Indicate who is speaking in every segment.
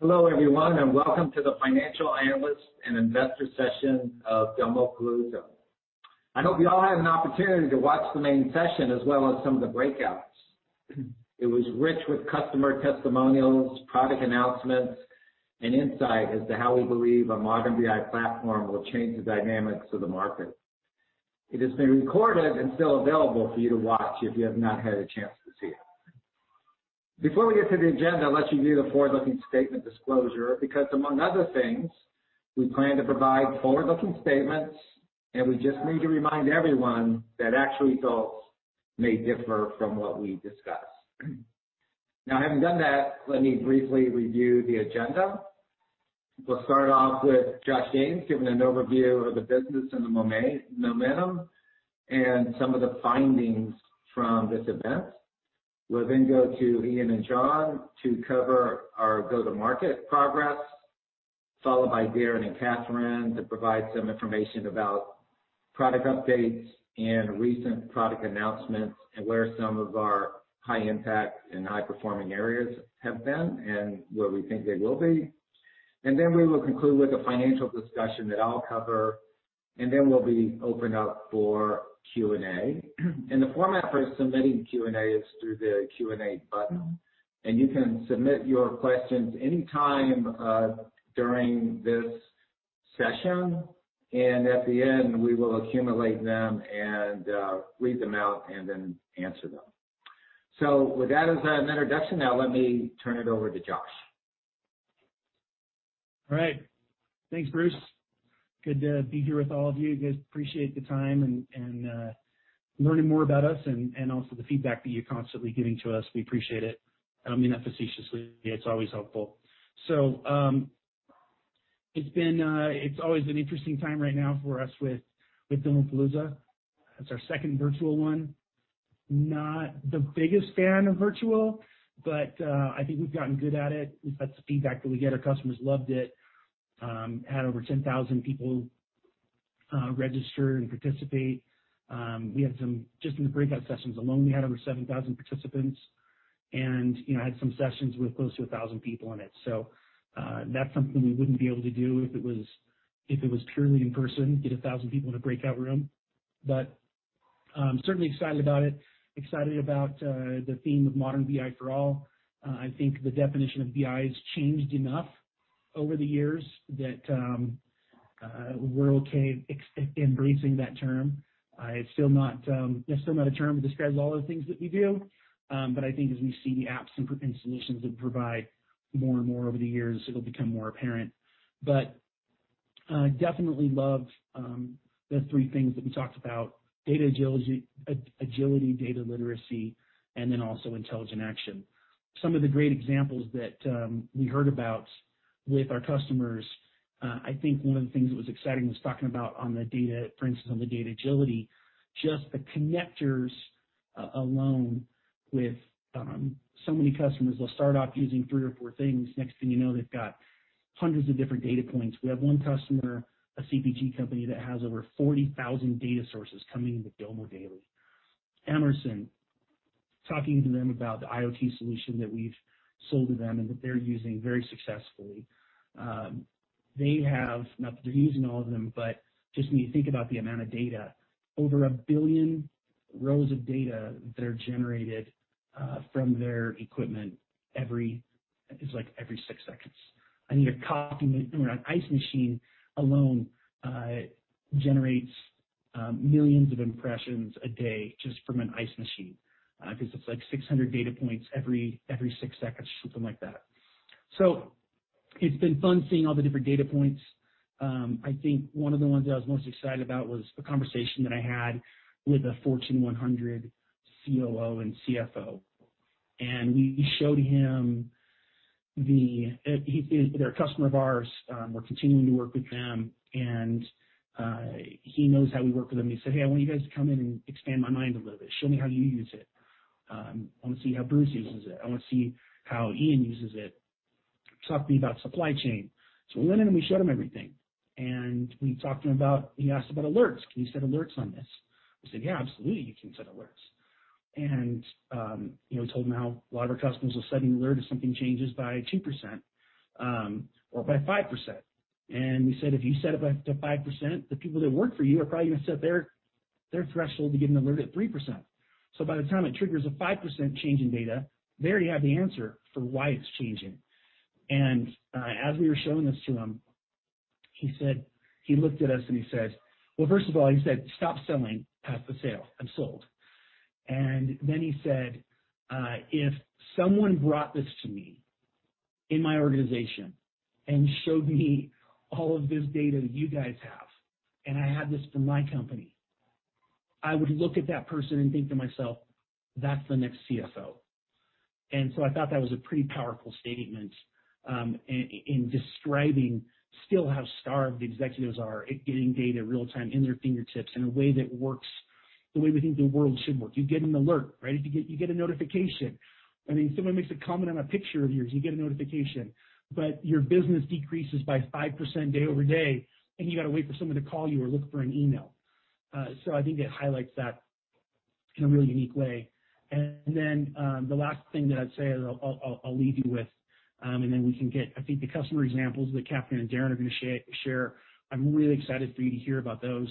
Speaker 1: Hello, everyone, and welcome to the Financial Analyst and Investor session of Domopalooza. I hope you all had an opportunity to watch the main session as well as some of the breakouts. It was rich with customer testimonials, product announcements, and insight as to how we believe a modern BI platform will change the dynamics of the market. It has been recorded and still available for you to watch if you have not had a chance to see it. Before we get to the agenda, I'll let you view the forward-looking statement disclosure, because among other things, we plan to provide forward-looking statements, and we just need to remind everyone that actual results may differ from what we discuss. Now, having done that, let me briefly review the agenda. We'll start off with Josh James giving an overview of the business and the momentum and some of the findings from this event. We'll then go to Ian and John to cover our go-to-market progress, followed by Daren and Catherine to provide some information about product updates and recent product announcements, and where some of our high-impact and high-performing areas have been and where we think they will be. Then we will conclude with a financial discussion that I'll cover, and then we'll be open up for Q&A. The format for submitting Q&A is through the Q&A button. You can submit your questions any time during this session, and at the end, we will accumulate them and read them out and then answer them. With that as an introduction, now let me turn it over to Josh.
Speaker 2: All right. Thanks, Bruce. Good to be here with all of you. Guys, appreciate the time and learning more about us and also the feedback that you're constantly giving to us. We appreciate it. I don't mean that facetiously. It's always helpful. It's always an interesting time right now for us with Domopalooza. It's our second virtual one. Not the biggest fan of virtual, but I think we've gotten good at it. That's the feedback that we get. Our customers loved it. Had over 10,000 people register and participate. Just in the breakout sessions alone, we had over 7,000 participants, and had some sessions with close to 1,000 people in it. That's something we wouldn't be able to do if it was purely in person, get 1,000 people in a breakout room. I'm certainly excited about it, excited about the theme of Modern BI for all. I think the definition of BI has changed enough over the years that we're okay embracing that term. It's still not a term to describe all the things that we do. I think as we see the apps and solutions that provide more and more over the years, it'll become more apparent. Definitely loved the three things that we talked about, data agility, data literacy, and then also intelligent action. Some of the great examples that we heard about with our customers, I think one of the things that was exciting was talking about on the data, for instance, on the data agility, just the connectors alone with so many customers. They'll start off using three or four things. Next thing you know, they've got hundreds of different data points. We have one customer, a CPG company, that has over 40,000 data sources coming into Domo daily. Emerson, talking to them about the IoT solution that we've sold to them and that they're using very successfully. They have, not that they're using all of them, but just when you think about the amount of data, over 1 billion rows of data that are generated from their equipment every, it's like every six seconds. An ice machine alone generates millions of impressions a day just from an ice machine. It's like 600 data points every six seconds, something like that. It's been fun seeing all the different data points. I think one of the ones that I was most excited about was a conversation that I had with a Fortune 100 COO and CFO. We showed him the They're a customer of ours, we're continuing to work with them, and he knows how we work with them. He said, "Hey, I want you guys to come in and expand my mind a little bit. Show me how you use it. I want to see how Bruce uses it. I want to see how Ian uses it. Talk to me about supply chain." We went in and we showed him everything. We talked to him about, he asked about alerts. "Can you set alerts on this?" I said, "Yeah, absolutely, you can set alerts." We told him how a lot of our customers will set an alert if something changes by 2% or by 5%. We said, "If you set it up to 5%, the people that work for you are probably going to set their threshold to get an alert at 3%. By the time it triggers a 5% change in data, there you have the answer for why it's changing." As we were showing this to him, he looked at us and he said, well, first of all, he said, "Stop selling. Pass the sale. I'm sold. Then he said, "If someone brought this to me in my organization and showed me all of this data that you guys have, and I had this for my company, I would look at that person and think to myself, 'That's the next CFO.'" So I thought that was a pretty powerful statement in describing still how starved the executives are at getting data real-time in their fingertips in a way that works the way we think the world should work. You get an alert, right? You get a notification. I mean, someone makes a comment on a picture of yours, you get a notification. Your business decreases by 5% day-over-day, and you got to wait for someone to call you or look for an email. So I think it highlights that in a really unique way. The last thing that I'd say is, I'll lead you with, then we can get, I think the customer examples that Catherine and Daren are going to share, I'm really excited for you to hear about those.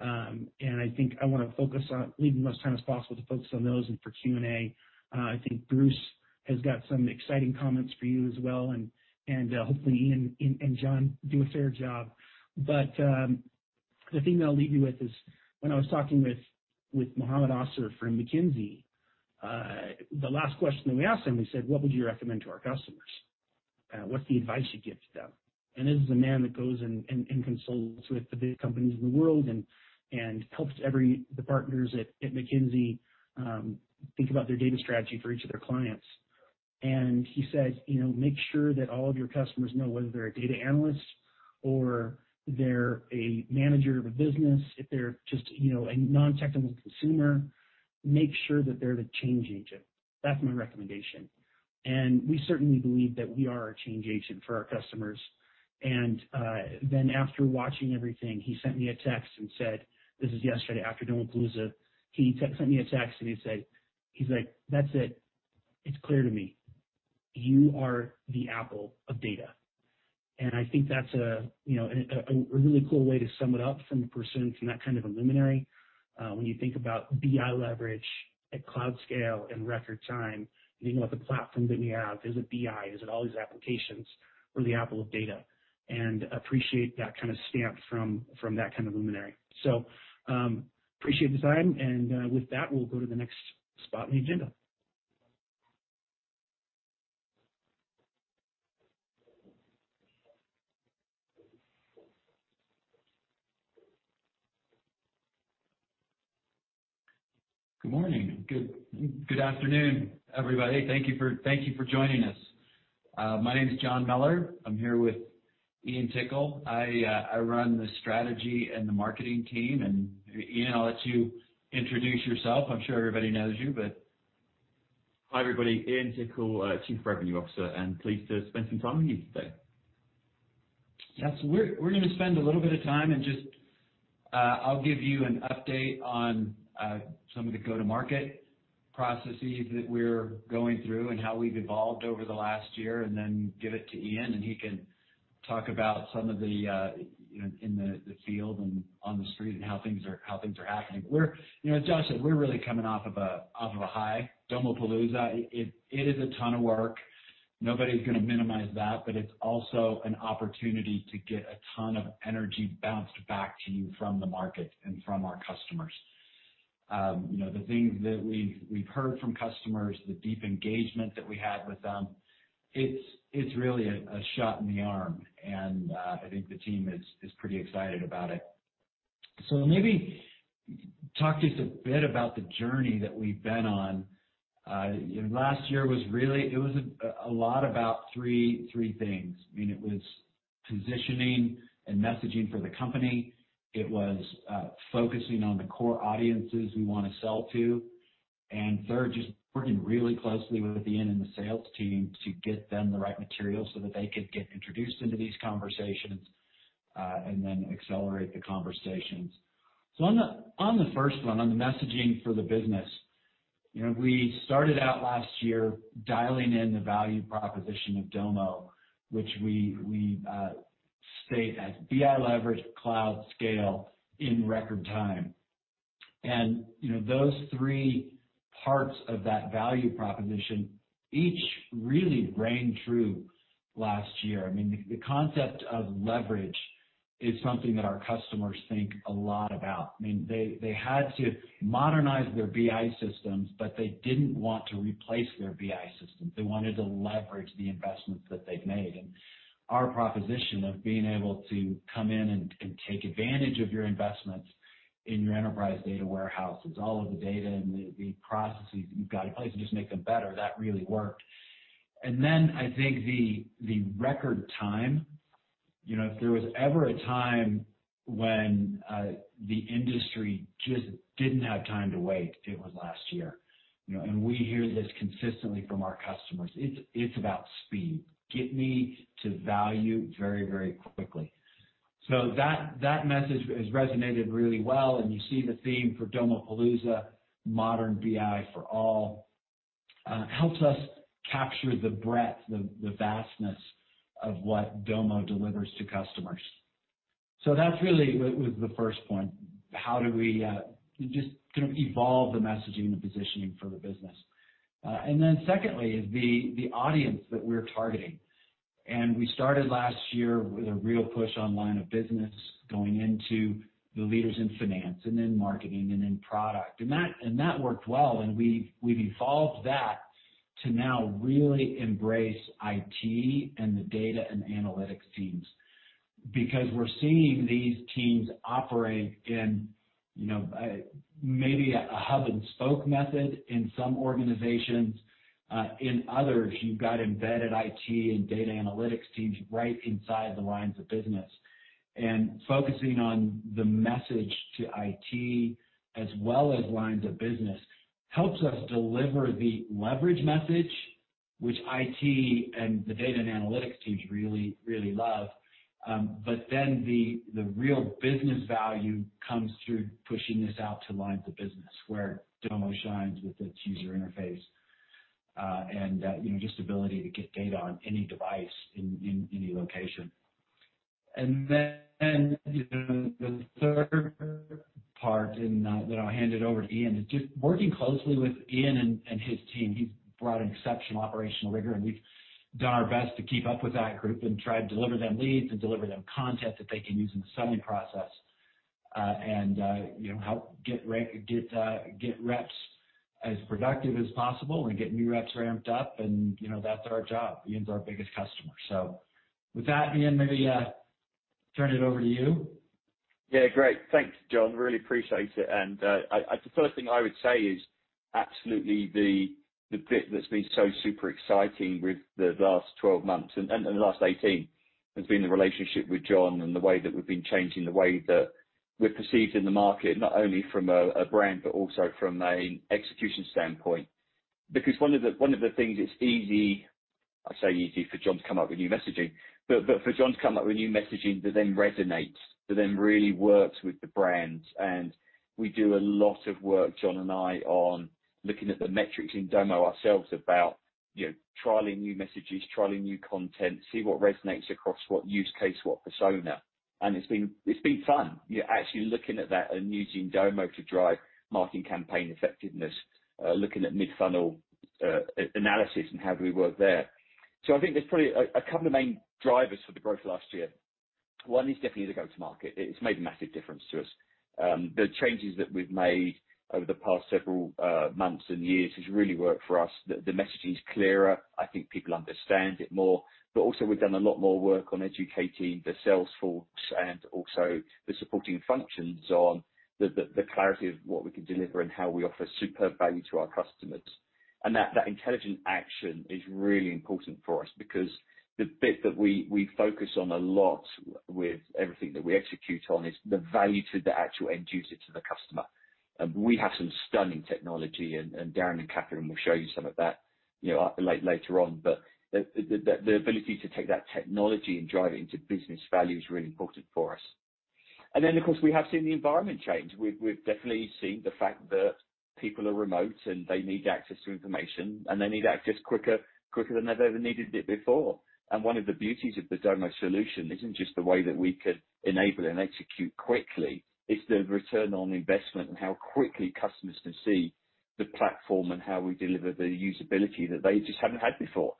Speaker 2: I think I want to focus on leaving the most time as possible to focus on those and for Q&A. I think Bruce has got some exciting comments for you as well, and hopefully Ian and John do a fair job. The thing that I'll leave you with is when I was talking with Mohammed Aaser from McKinsey, the last question that we asked him, we said, "What would you recommend to our customers? What's the advice you give to them? This is a man that goes and consults with the big companies in the world and helps the partners at McKinsey think about their data strategy for each of their clients. He says, "Make sure that all of your customers know whether they're a data analyst or they're a manager of a business. If they're just a non-technical consumer, make sure that they're the change agent. That's my recommendation." We certainly believe that we are a change agent for our customers. After watching everything, he sent me a text and said This is yesterday after Domopalooza. He sent me a text and he said, "That's it. It's clear to me. You are the Apple of data." I think that's a really cool way to sum it up from a person, from that kind of a luminary. When you think about BI leverage at cloud scale in record time, and you think about the platform that we have, is it BI? Is it all these applications? We're the Apple of data. Appreciate that kind of stamp from that kind of luminary. Appreciate the time, and with that, we'll go to the next spot in the agenda.
Speaker 3: Good morning. Good afternoon, everybody. Thank you for joining us. My name is John Mellor. I'm here with Ian Tickle. I run the strategy and the marketing team, and Ian, I'll let you introduce yourself. I'm sure everybody knows you.
Speaker 4: Hi, everybody. Ian Tickle, Chief Revenue Officer, and pleased to spend some time with you today.
Speaker 3: We're going to spend a little bit of time and just, I'll give you an update on some of the go-to-market processes that we're going through and how we've evolved over the last year, and then give it to Ian, and he can talk about some of the, in the field and on the street, and how things are happening. We're, as John said, we're really coming off of a high. Domopalooza, it is a ton of work. Nobody's going to minimize that, but it's also an opportunity to get a ton of energy bounced back to you from the market and from our customers. The things that we've heard from customers, the deep engagement that we had with them, it's really a shot in the arm, and I think the team is pretty excited about it. Let me talk just a bit about the journey that we've been on. Last year was really, it was a lot about three things. It was positioning and messaging for the company. It was focusing on the core audiences we want to sell to. Third, just working really closely with Ian and the sales team to get them the right materials so that they could get introduced into these conversations, and then accelerate the conversations. On the first one, on the messaging for the business, we started out last year dialing in the value proposition of Domo, which we state as BI leverage, cloud scale in record time. And those three parts of that value proposition, each really rang true last year. The concept of leverage is something that our customers think a lot about. They had to modernize their BI systems. They didn't want to replace their BI systems. They wanted to leverage the investments that they've made. Our proposition of being able to come in and take advantage of your investments in your enterprise data warehouses, all of the data and the processes that you've got in place, and just make them better, that really worked. I think the record time. If there was ever a time when the industry just didn't have time to wait, it was last year. We hear this consistently from our customers. It's about speed. Get me to value very quickly. That message has resonated really well. You see the theme for Domopalooza, Modern BI for All. Helps us capture the breadth, the vastness of what Domo delivers to customers. That really was the first point. How do we just sort of evolve the messaging and positioning for the business? Then secondly is the audience that we're targeting. We started last year with a real push on line of business, going into the leaders in finance and in marketing and in product. That worked well, and we've evolved that to now really embrace IT and the data and analytics teams. Because we're seeing these teams operate in maybe a hub and spoke method in some organizations. In others, you've got embedded IT and data analytics teams right inside the lines of business. Focusing on the message to IT as well as lines of business helps us deliver the leverage message, which IT and the data and analytics teams really love. The real business value comes through pushing this out to lines of business, where Domo shines with its user interface, and just ability to get data on any device in any location. The third part, and then I'll hand it over to Ian, is just working closely with Ian and his team. He's brought an exceptional operational rigor, and we've done our best to keep up with that group and try to deliver them leads and deliver them content that they can use in the selling process. How get reps as productive as possible and get new reps ramped up and that's our job. Ian's our biggest customer. With that, Ian, maybe turn it over to you.
Speaker 4: Yeah. Great. Thanks, John. Really appreciate it. The first thing I would say is absolutely the bit that's been so super exciting with the last 12 months and the last 18, has been the relationship with John and the way that we've been changing the way that we're perceived in the market, not only from a brand, but also from an execution standpoint. Because one of the things it's easy, I say easy for John to come up with new messaging, but for John to come up with new messaging that then resonates, that then really works with the brand. We do a lot of work, John and I, on looking at the metrics in Domo ourselves about trialing new messages, trialing new content, see what resonates across what use case, what persona. It's been fun. You're actually looking at that and using Domo to drive marketing campaign effectiveness, looking at mid-funnel analysis and how do we work there. I think there's probably a couple of main drivers for the growth last year. One is definitely the go-to market. It's made a massive difference to us. The changes that we've made over the past several months and years has really worked for us. The messaging is clearer. I think people understand it more. Also we've done a lot more work on educating the sales force and also the supporting functions on the clarity of what we can deliver and how we offer superb value to our customers. That intelligent action is really important for us because the bit that we focus on a lot with everything that we execute on is the value to the actual end user, to the customer. We have some stunning technology, Daren and Catherine will show you some of that later on. The ability to take that technology and drive it into business value is really important for us. Then, of course, we have seen the environment change. We've definitely seen the fact that people are remote, and they need access to information, and they need access quicker than they've ever needed it before. One of the beauties of the Domo solution isn't just the way that we could enable and execute quickly, it's the return on investment and how quickly customers can see the platform and how we deliver the usability that they just haven't had before.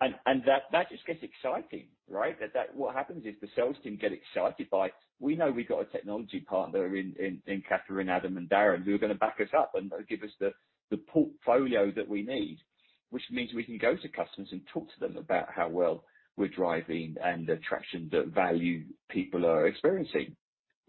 Speaker 4: That just gets exciting, right? That what happens is the sales team get excited by it. We know we've got a technology partner in Catherine, Adam and Daren, who are going to back us up and give us the portfolio that we need, which means we can go to customers and talk to them about how well we're driving and the traction, the value people are experiencing.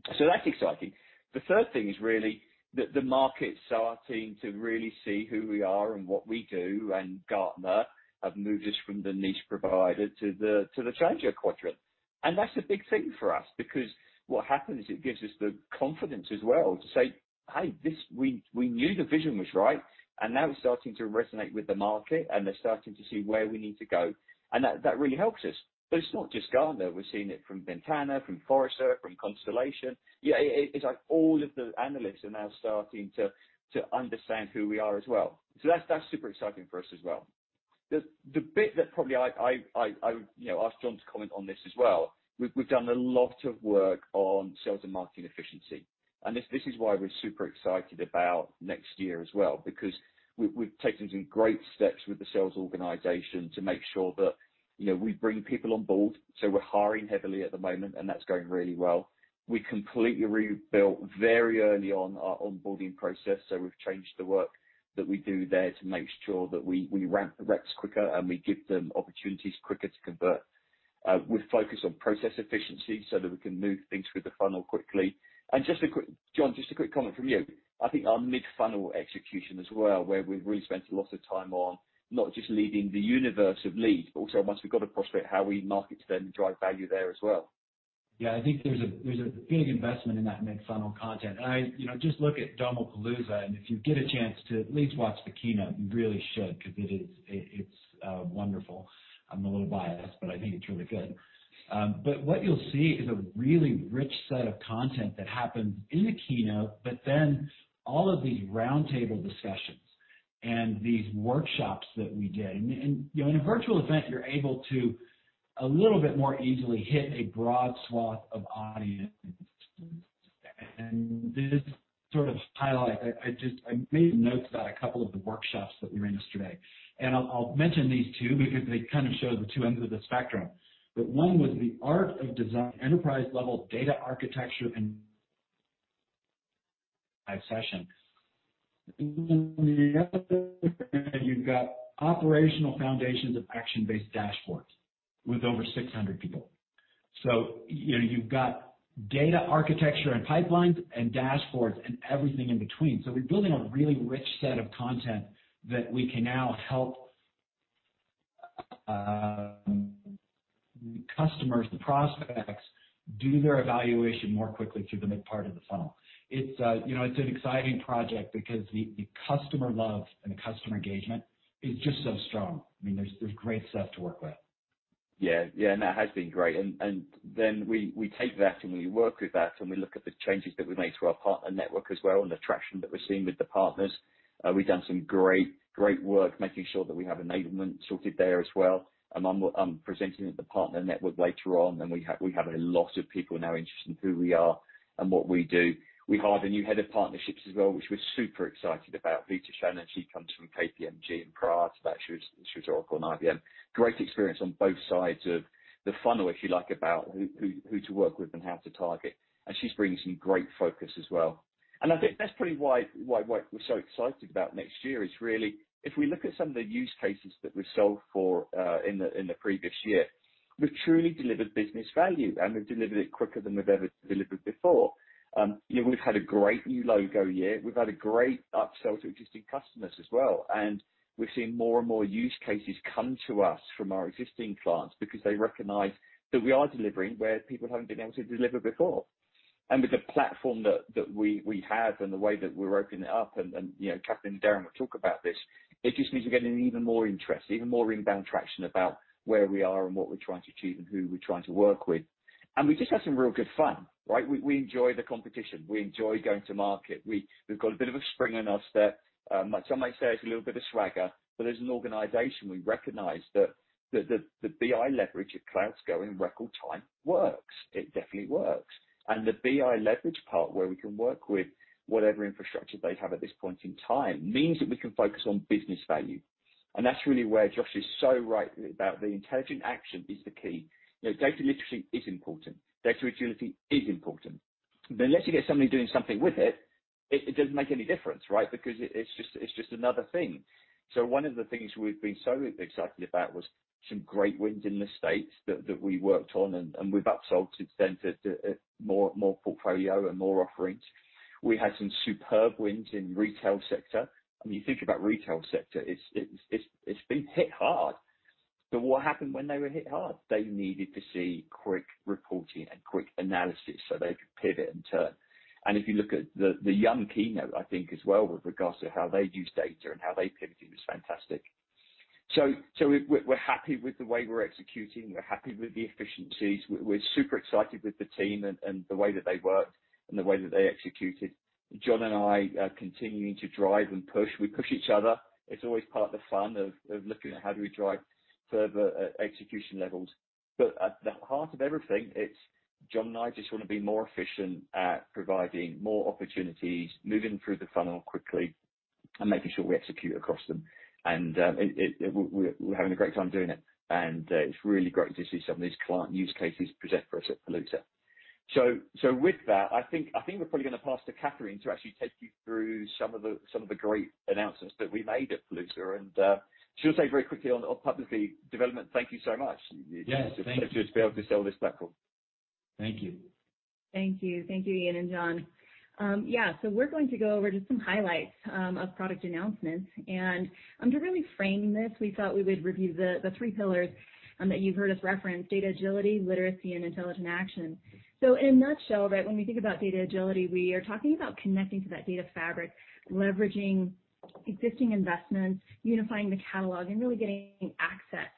Speaker 4: That's exciting. The third thing is really that the market's starting to really see who we are and what we do. Gartner have moved us from the niche provider to the challenger quadrant. That's a big thing for us because what happens is it gives us the confidence as well to say, "Hey, we knew the vision was right," now it's starting to resonate with the market, and they're starting to see where we need to go, and that really helps us. It's not just Gartner. We're seeing it from Ventana, from Forrester, from Constellation. It's like all of the analysts are now starting to understand who we are as well. That's super exciting for us as well. The bit that probably I'll ask John to comment on this as well. We've done a lot of work on sales and marketing efficiency, and this is why we're super excited about next year as well, because we've taken some great steps with the sales organization to make sure that we bring people on board. We're hiring heavily at the moment, and that's going really well. We completely rebuilt, very early on, our onboarding process. We've changed the work that we do there to make sure that we ramp the reps quicker and we give them opportunities quicker to convert. We've focused on process efficiency so that we can move things through the funnel quickly. John, just a quick comment from you. I think our mid-funnel execution as well, where we've really spent a lot of time on not just leading the universe of leads, but also once we've got a prospect, how we market to them and drive value there as well.
Speaker 3: Yeah, I think there's a big investment in that mid-funnel content. Just look at Domopalooza, and if you get a chance to at least watch the keynote, you really should because it's wonderful. I'm a little biased, but I think it's really good. What you'll see is a really rich set of content that happens in the keynote, but then all of these roundtable discussions and these workshops that we did. In a virtual event, you're able to, a little bit more easily, hit a broad swath of audience. This is sort of highlight, I made notes about a couple of the workshops that we ran yesterday, and I'll mention these two because they kind of show the two ends of the spectrum. One was the Art of Design, Enterprise Level Data Architecture, and session. The other, you've got Operational Foundations of Action-Based Dashboards with over 600 people. You've got data architecture and pipelines and dashboards and everything in between. We're building a really rich set of content that we can now help the customers, the prospects, do their evaluation more quickly through the mid part of the funnel. It's an exciting project because the customer love and the customer engagement is just so strong. There's great stuff to work with.
Speaker 4: Yeah. That has been great. We take that and we work with that, and we look at the changes that we make to our partner network as well, and the traction that we're seeing with the partners. We've done some great work making sure that we have enablement sorted there as well. I'm presenting at the partner network later on, and we have a lot of people now interested in who we are and what we do. We hired a new Head of Partnerships as well, which we're super excited about, Rita Shen, and she comes from KPMG, and prior to that, she was at Oracle and IBM. Great experience on both sides of the funnel, if you like, about who to work with and how to target. She's bringing some great focus as well. I think that's probably why, what we're so excited about next year is really if we look at some of the use cases that we've solved for in the previous year, we've truly delivered business value, and we've delivered it quicker than we've ever delivered before. We've had a great new logo year. We've had a great upsell to existing customers as well. We're seeing more and more use cases come to us from our existing clients because they recognize that we are delivering where people haven't been able to deliver before. With the platform that we have and the way that we're opening it up, Catherine and Daren will talk about this, it just means we're getting even more interest, even more inbound traction about where we are and what we're trying to achieve and who we're trying to work with. We just had some real good fun. We enjoy the competition. We enjoy going to market. We've got a bit of a spring in our step. Some might say it's a little bit of swagger, as an organization, we recognize that the BI leverage at cloud scale in record time works. It definitely works. The BI leverage part, where we can work with whatever infrastructure they have at this point in time, means that we can focus on business value. That's really where Josh is so right about the intelligent action is the key. Data literacy is important. Data agility is important. Unless you get somebody doing something with it doesn't make any difference. It's just another thing. One of the things we've been so excited about was some great wins in the U.S. that we worked on, and we've upsold since to more portfolio and more offerings. We had some superb wins in retail sector. You think about retail sector, it's been hit hard. What happened when they were hit hard? They needed to see quick reporting and quick analysis so they could pivot and turn. If you look at the Yum! keynote, I think as well with regards to how they use data and how they pivoted was fantastic. We're happy with the way we're executing. We're happy with the efficiencies. We're super excited with the team and the way that they worked and the way that they executed. John and I are continuing to drive and push. We push each other. It's always part of the fun of looking at how do we drive further execution levels. At the heart of everything, it's John and I just want to be more efficient at providing more opportunities, moving through the funnel quickly and making sure we execute across them. We're having a great time doing it. It's really great to see some of these client use cases present for us at Palooza. With that, I think we're probably going to pass to Catherine to actually take you through some of the great announcements that we made at Palooza. She'll say very quickly on partner development, thank you so much.
Speaker 3: Yes. Thank you.
Speaker 4: It's fantastic to be able to sell this platform.
Speaker 3: Thank you.
Speaker 5: Thank you. Thank you, Ian and John. Yeah. We're going to go over just some highlights of product announcements. To really frame this, we thought we would review the three pillars that you've heard us reference, data agility, literacy, and intelligent action. In a nutshell, when we think about data agility, we are talking about connecting to that data fabric, leveraging existing investments, unifying the catalog, and really getting access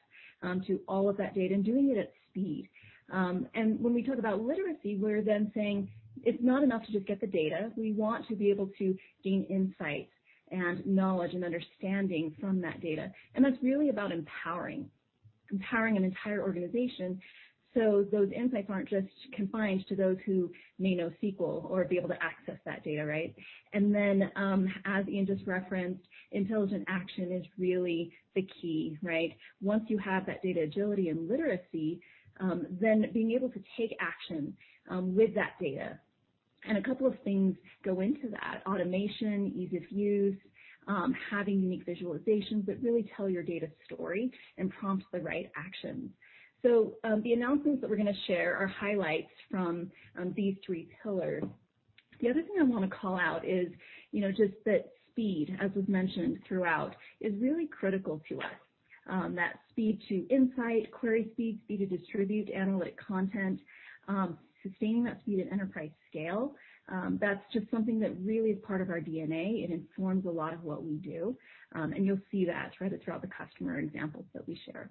Speaker 5: to all of that data and doing it at speed. When we talk about literacy, we're then saying it's not enough to just get the data. We want to be able to gain insights and knowledge and understanding from that data. That's really about empowering. Empowering an entire organization so those insights aren't just confined to those who may know SQL or be able to access that data. As Ian just referenced, intelligent action is really the key. Once you have that data agility and literacy, then being able to take action with that data. A couple of things go into that: automation, ease of use, having unique visualizations that really tell your data story and prompt the right action. The announcements that we're going to share are highlights from these three pillars. The other thing I want to call out is just that speed, as was mentioned throughout, is really critical to us. That speed to insight, query speed to distribute analytic content, sustaining that speed at enterprise scale. That's just something that really is part of our DNA. It informs a lot of what we do. You'll see that throughout the customer examples that we share.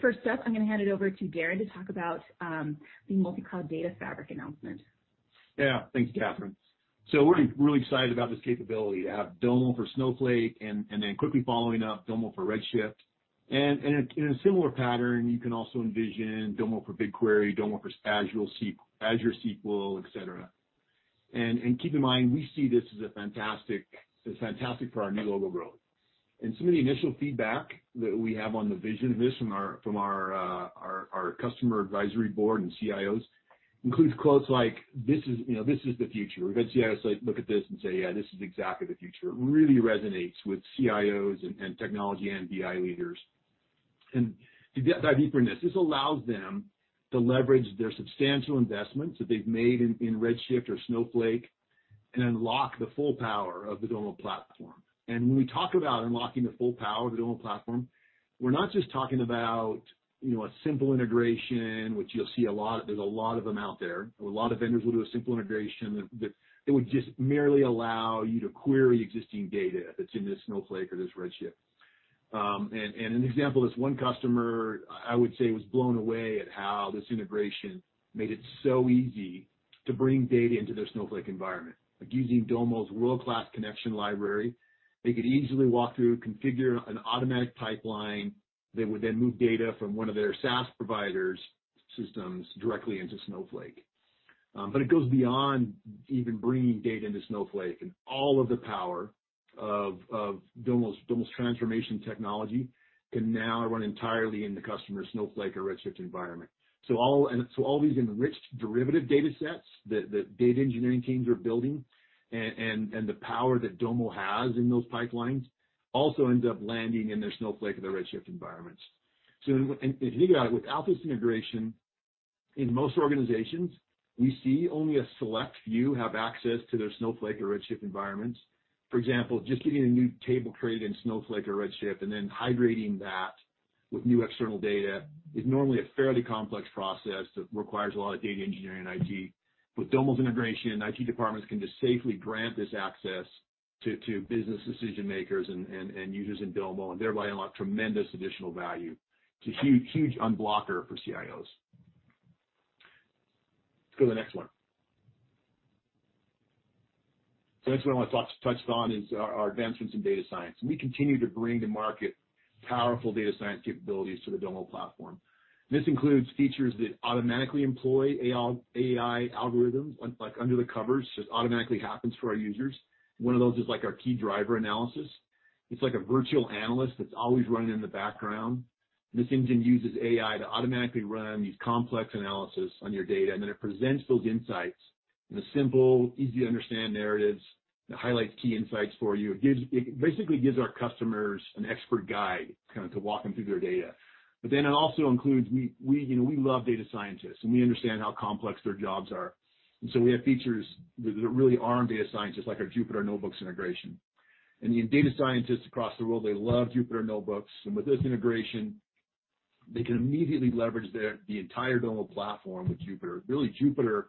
Speaker 5: First up, I'm going to hand it over to Daren to talk about the Multi-Cloud Data Fabric announcement.
Speaker 6: Yeah. Thanks, Catherine. We're really excited about this capability to have Domo for Snowflake and then quickly following up Domo for Redshift. In a similar pattern, you can also envision Domo for BigQuery, Domo for Azure SQL, et cetera. Keep in mind, we see this as fantastic for our new logo growth. Some of the initial feedback that we have on the vision of this from our customer advisory board and CIOs includes quotes like, "This is the future." We've had CIOs look at this and say, "Yeah, this is exactly the future." It really resonates with CIOs and technology and BI leaders. To dive deeper into this allows them to leverage their substantial investments that they've made in Redshift or Snowflake and unlock the full power of the Domo platform. When we talk about unlocking the full power of the Domo platform, we're not just talking about a simple integration, which you'll see a lot. There's a lot of them out there. A lot of vendors will do a simple integration that would just merely allow you to query existing data that's in this Snowflake or this Redshift. An example is one customer, I would say, was blown away at how this integration made it so easy to bring data into their Snowflake environment. Using Domo's world-class connection library, they could easily walk through, configure an automatic pipeline that would then move data from one of their SaaS providers' systems directly into Snowflake. It goes beyond even bringing data into Snowflake, and all of the power of Domo's transformation technology can now run entirely in the customer's Snowflake or Redshift environment. All these enriched derivative data sets that data engineering teams are building and the power that Domo has in those pipelines also ends up landing in their Snowflake or their Redshift environments. If you think about it, without this integration, in most organizations, we see only a select few have access to their Snowflake or Redshift environments. For example, just getting a new table created in Snowflake or Redshift and then hydrating that with new external data is normally a fairly complex process that requires a lot of data engineering and IT. With Domo's integration, IT departments can just safely grant this access to business decision-makers and users in Domo, and thereby unlock tremendous additional value. It's a huge unblocker for CIOs. Let's go to the next one. The next one I touched on is our advancements in data science, and we continue to bring to market powerful data science capabilities to the Domo platform. This includes features that automatically employ AI algorithms under the covers. Just automatically happens for our users. One of those is our key driver analysis. It's like a virtual analyst that's always running in the background. This engine uses AI to automatically run these complex analysis on your data, and then it presents those insights in a simple, easy-to-understand narratives that highlights key insights for you. It basically gives our customers an expert guide to walk them through their data. It also includes, we love data scientists, and we understand how complex their jobs are. We have features that really are on data scientists, like our Jupyter Notebooks integration. Data scientists across the world, they love Jupyter Notebooks. With this integration, they can immediately leverage the entire Domo platform with Jupyter. Really, Jupyter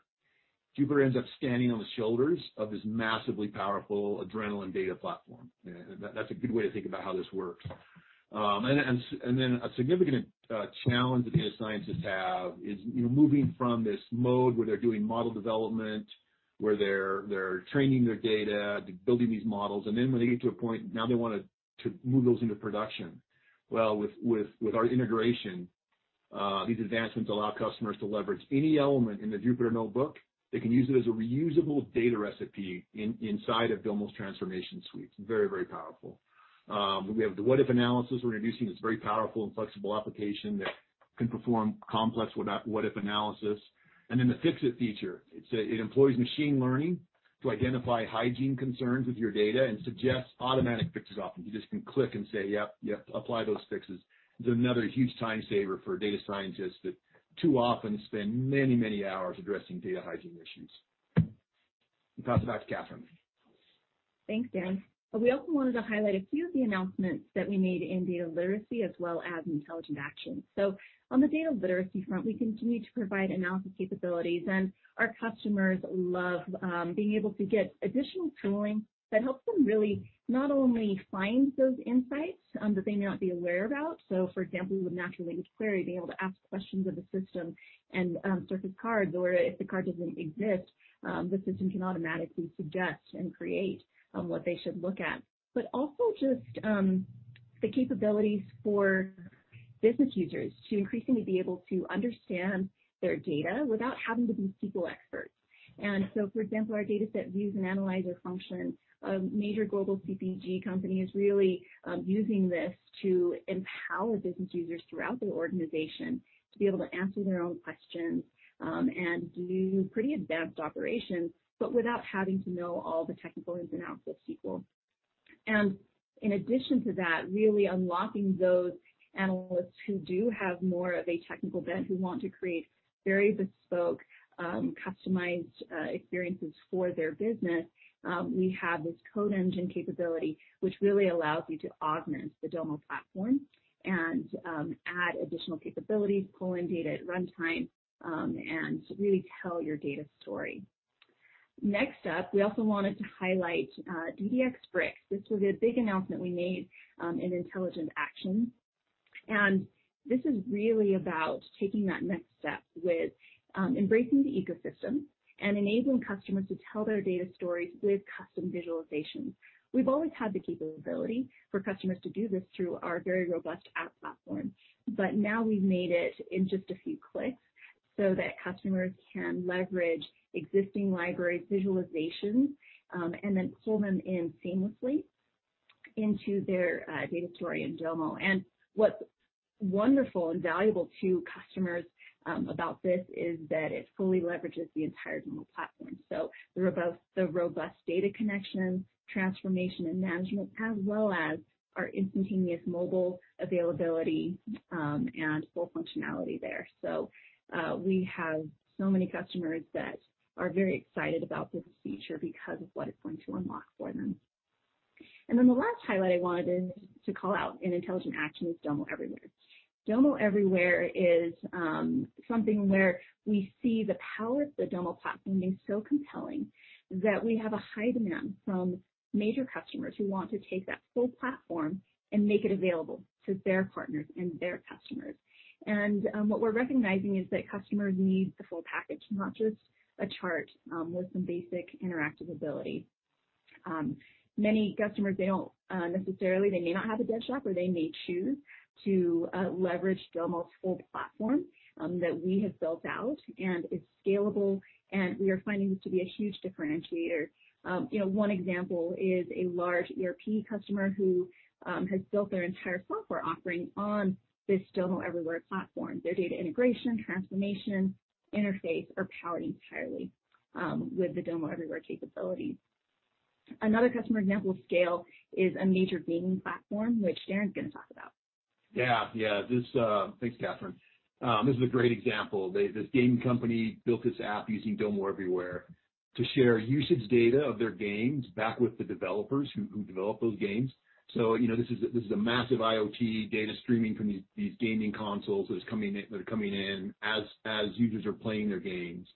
Speaker 6: ends up standing on the shoulders of this massively powerful Adrenaline data platform. That's a good way to think about how this works. A significant challenge that data scientists have is moving from this mode where they're doing model development, where they're training their data, building these models, then when they get to a point, now they want to move those into production. With our integration, these advancements allow customers to leverage any element in the Jupyter Notebook. They can use it as a reusable data recipe inside of Domo's transformation suite. Very, very powerful. We have the what-if analysis we're introducing. It's a very powerful and flexible application that can perform complex what-if analysis. The fix-it feature. It employs machine learning to identify hygiene concerns with your data and suggests automatic fixes often. You just can click and say, "Yep, apply those fixes." It's another huge time saver for data scientists that too often spend many, many hours addressing data hygiene issues. Pass it back to Catherine.
Speaker 5: Thanks, Daren. We also wanted to highlight a few of the announcements that we made in data literacy as well as intelligent action. On the data literacy front, we continue to provide analysis capabilities, and our customers love being able to get additional tooling that helps them really not only find those insights that they may not be aware about. For example, with natural language query, being able to ask questions of the system and surface cards, or if the card doesn't exist, the system can automatically suggest and create what they should look at. Also just the capabilities for business users to increasingly be able to understand their data without having to be SQL experts, for example, our DataSet Views and analyzer function. A major global CPG company is really using this to empower business users throughout their organization to be able to answer their own questions and do pretty advanced operations, but without having to know all the technical ins and outs of SQL. In addition to that, really unlocking those analysts who do have more of a technical bent, who want to create very bespoke, customized experiences for their business. We have this Code Engine capability, which really allows you to augment the Domo platform and add additional capabilities, pull in data at runtime, and really tell your data story. Next up, we also wanted to highlight DDX Bricks. This was a big announcement we made in intelligent action. This is really about taking that next step with embracing the ecosystem and enabling customers to tell their data stories with custom visualizations. We've always had the capability for customers to do this through our very robust app platform. Now we've made it in just a few clicks so that customers can leverage existing library visualizations, then pull them in seamlessly into their data story in Domo. What's wonderful and valuable to customers about this is that it fully leverages the entire Domo platform. The robust data connection, transformation, and management, as well as our instantaneous mobile availability and full functionality there. We have so many customers that are very excited about this feature because of what it's going to unlock for them. The last highlight I wanted to call out in intelligent action is Domo Everywhere. Domo Everywhere is something where we see the power that the Domo platform is so compelling that we have a high demand from major customers who want to take that full platform and make it available to their partners and their customers. What we're recognizing is that customers need the full package, not just a chart with some basic interactive ability. Many customers, necessarily, they may not have a dev shop, or they may choose to leverage Domo's full platform that we have built out, and it's scalable, and we are finding this to be a huge differentiator. One example is a large ERP customer who has built their entire software offering on this Domo Everywhere platform. Their data integration, transformation, interface are powered entirely with the Domo Everywhere capabilities. Another customer example of scale is a major gaming platform, which Daren's going to talk about.
Speaker 6: Thanks, Catherine. This is a great example. This gaming company built this app using Domo Everywhere to share usage data of their games back with the developers who develop those games. This is a massive IoT data streaming from these gaming consoles that are coming in as users are playing their games.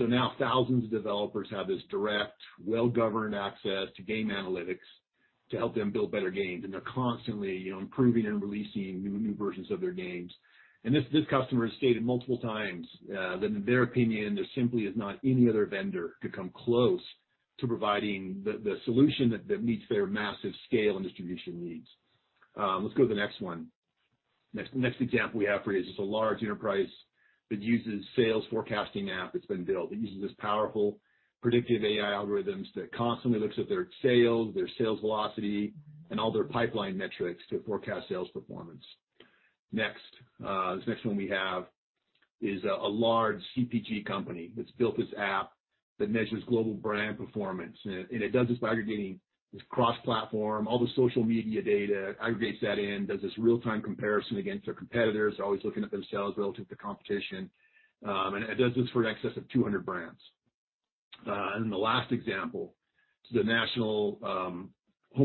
Speaker 6: Now thousands of developers have this direct, well-governed access to game analytics to help them build better games. They're constantly improving and releasing new versions of their games. This customer has stated multiple times that in their opinion, there simply is not any other vendor could come close to providing the solution that meets their massive scale and distribution needs. Let's go to the next one. Next example we have for you is just a large enterprise that uses sales forecasting app that's been built. It uses this powerful predictive AI algorithms that constantly looks at their sales, their sales velocity, and all their pipeline metrics to forecast sales performance. Next. This next one we have is a large CPG company that's built this app that measures global brand performance, and it does this by aggregating this cross-platform, all the social media data, aggregates that in, does this real-time comparison against their competitors. They're always looking at themselves relative to competition. It does this for an excess of 200 brands. The last example, the national home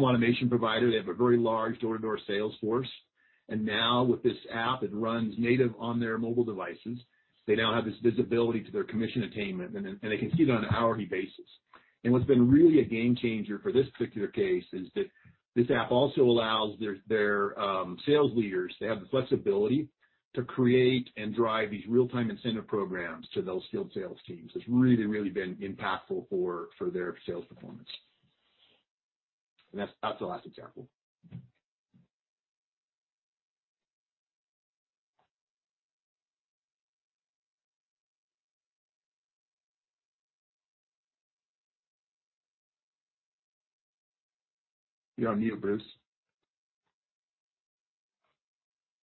Speaker 6: automation provider. They have a very large door-to-door sales force. Now with this app, it runs native on their mobile devices. They now have this visibility to their commission attainment, and they can see it on an hourly basis. What's been really a game changer for this particular case is that this app also allows their sales leaders to have the flexibility to create and drive these real-time incentive programs to those field sales teams. It's really been impactful for their sales performance. That's the last example. You're on mute, Bruce.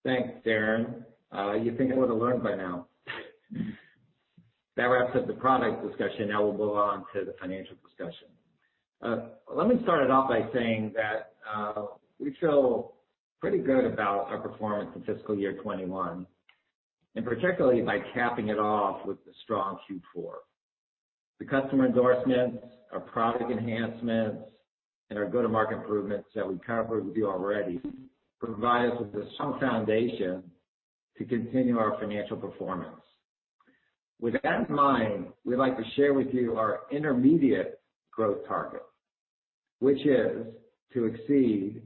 Speaker 1: Thanks, Daren. You think I would've learned by now. That wraps up the product discussion. We'll move on to the financial discussion. Let me start it off by saying that we feel pretty good about our performance in fiscal year 2021, and particularly by capping it off with a strong Q4. The customer endorsements, our product enhancements, and our go-to-market improvements that we covered with you already provide us with a strong foundation to continue our financial performance. With that in mind, we'd like to share with you our intermediate growth target, which is to exceed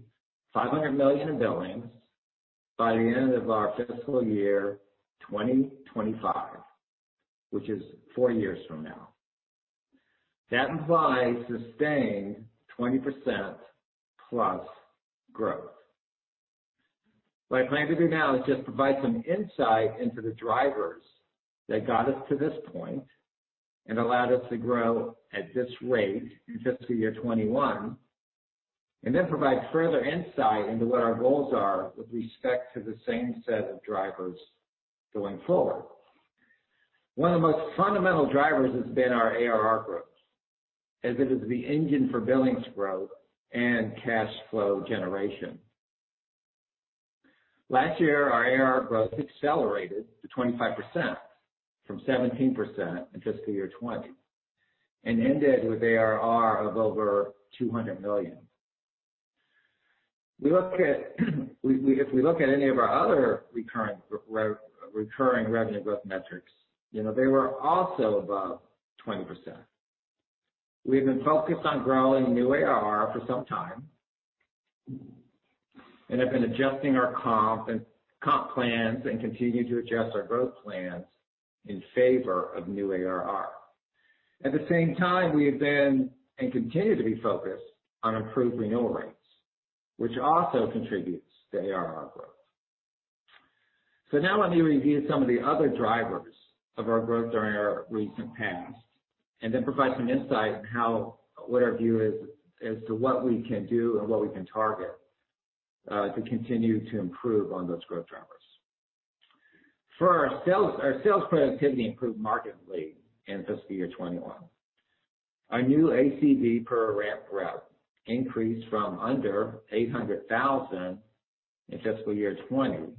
Speaker 1: $500 million in billings by the end of our fiscal year 2025, which is four years from now. That implies sustained 20%+ growth. What I plan to do now is just provide some insight into the drivers that got us to this point and allowed us to grow at this rate in fiscal year 2021, and then provide further insight into what our goals are with respect to the same set of drivers going forward. One of the most fundamental drivers has been our ARR growth, as it is the engine for billings growth and cash flow generation. Last year, our ARR growth accelerated to 25% from 17% in fiscal year 2020 and ended with ARR of over $200 million. If we look at any of our other recurring revenue growth metrics, they were also above 20%. We've been focused on growing new ARR for some time, and have been adjusting our comp plans and continue to adjust our growth plans in favor of new ARR. At the same time, we have been, and continue to be focused on improved renewal rates, which also contributes to ARR growth. Now let me review some of the other drivers of our growth during our recent past and then provide some insight on what our view is as to what we can do and what we can target, to continue to improve on those growth drivers. First, our sales productivity improved markedly in fiscal year 2021. Our new ACV per ramp rep increased from under $800,000 in fiscal year 2020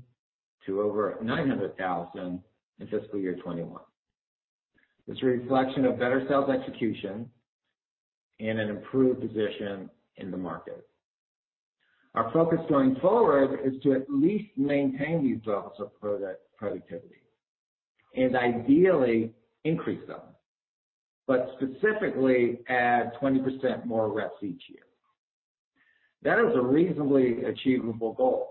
Speaker 1: to over $900,000 in fiscal year 2021. It's a reflection of better sales execution and an improved position in the market. Our focus going forward is to at least maintain these levels of productivity, and ideally increase them, but specifically add 20% more reps each year. That is a reasonably achievable goal.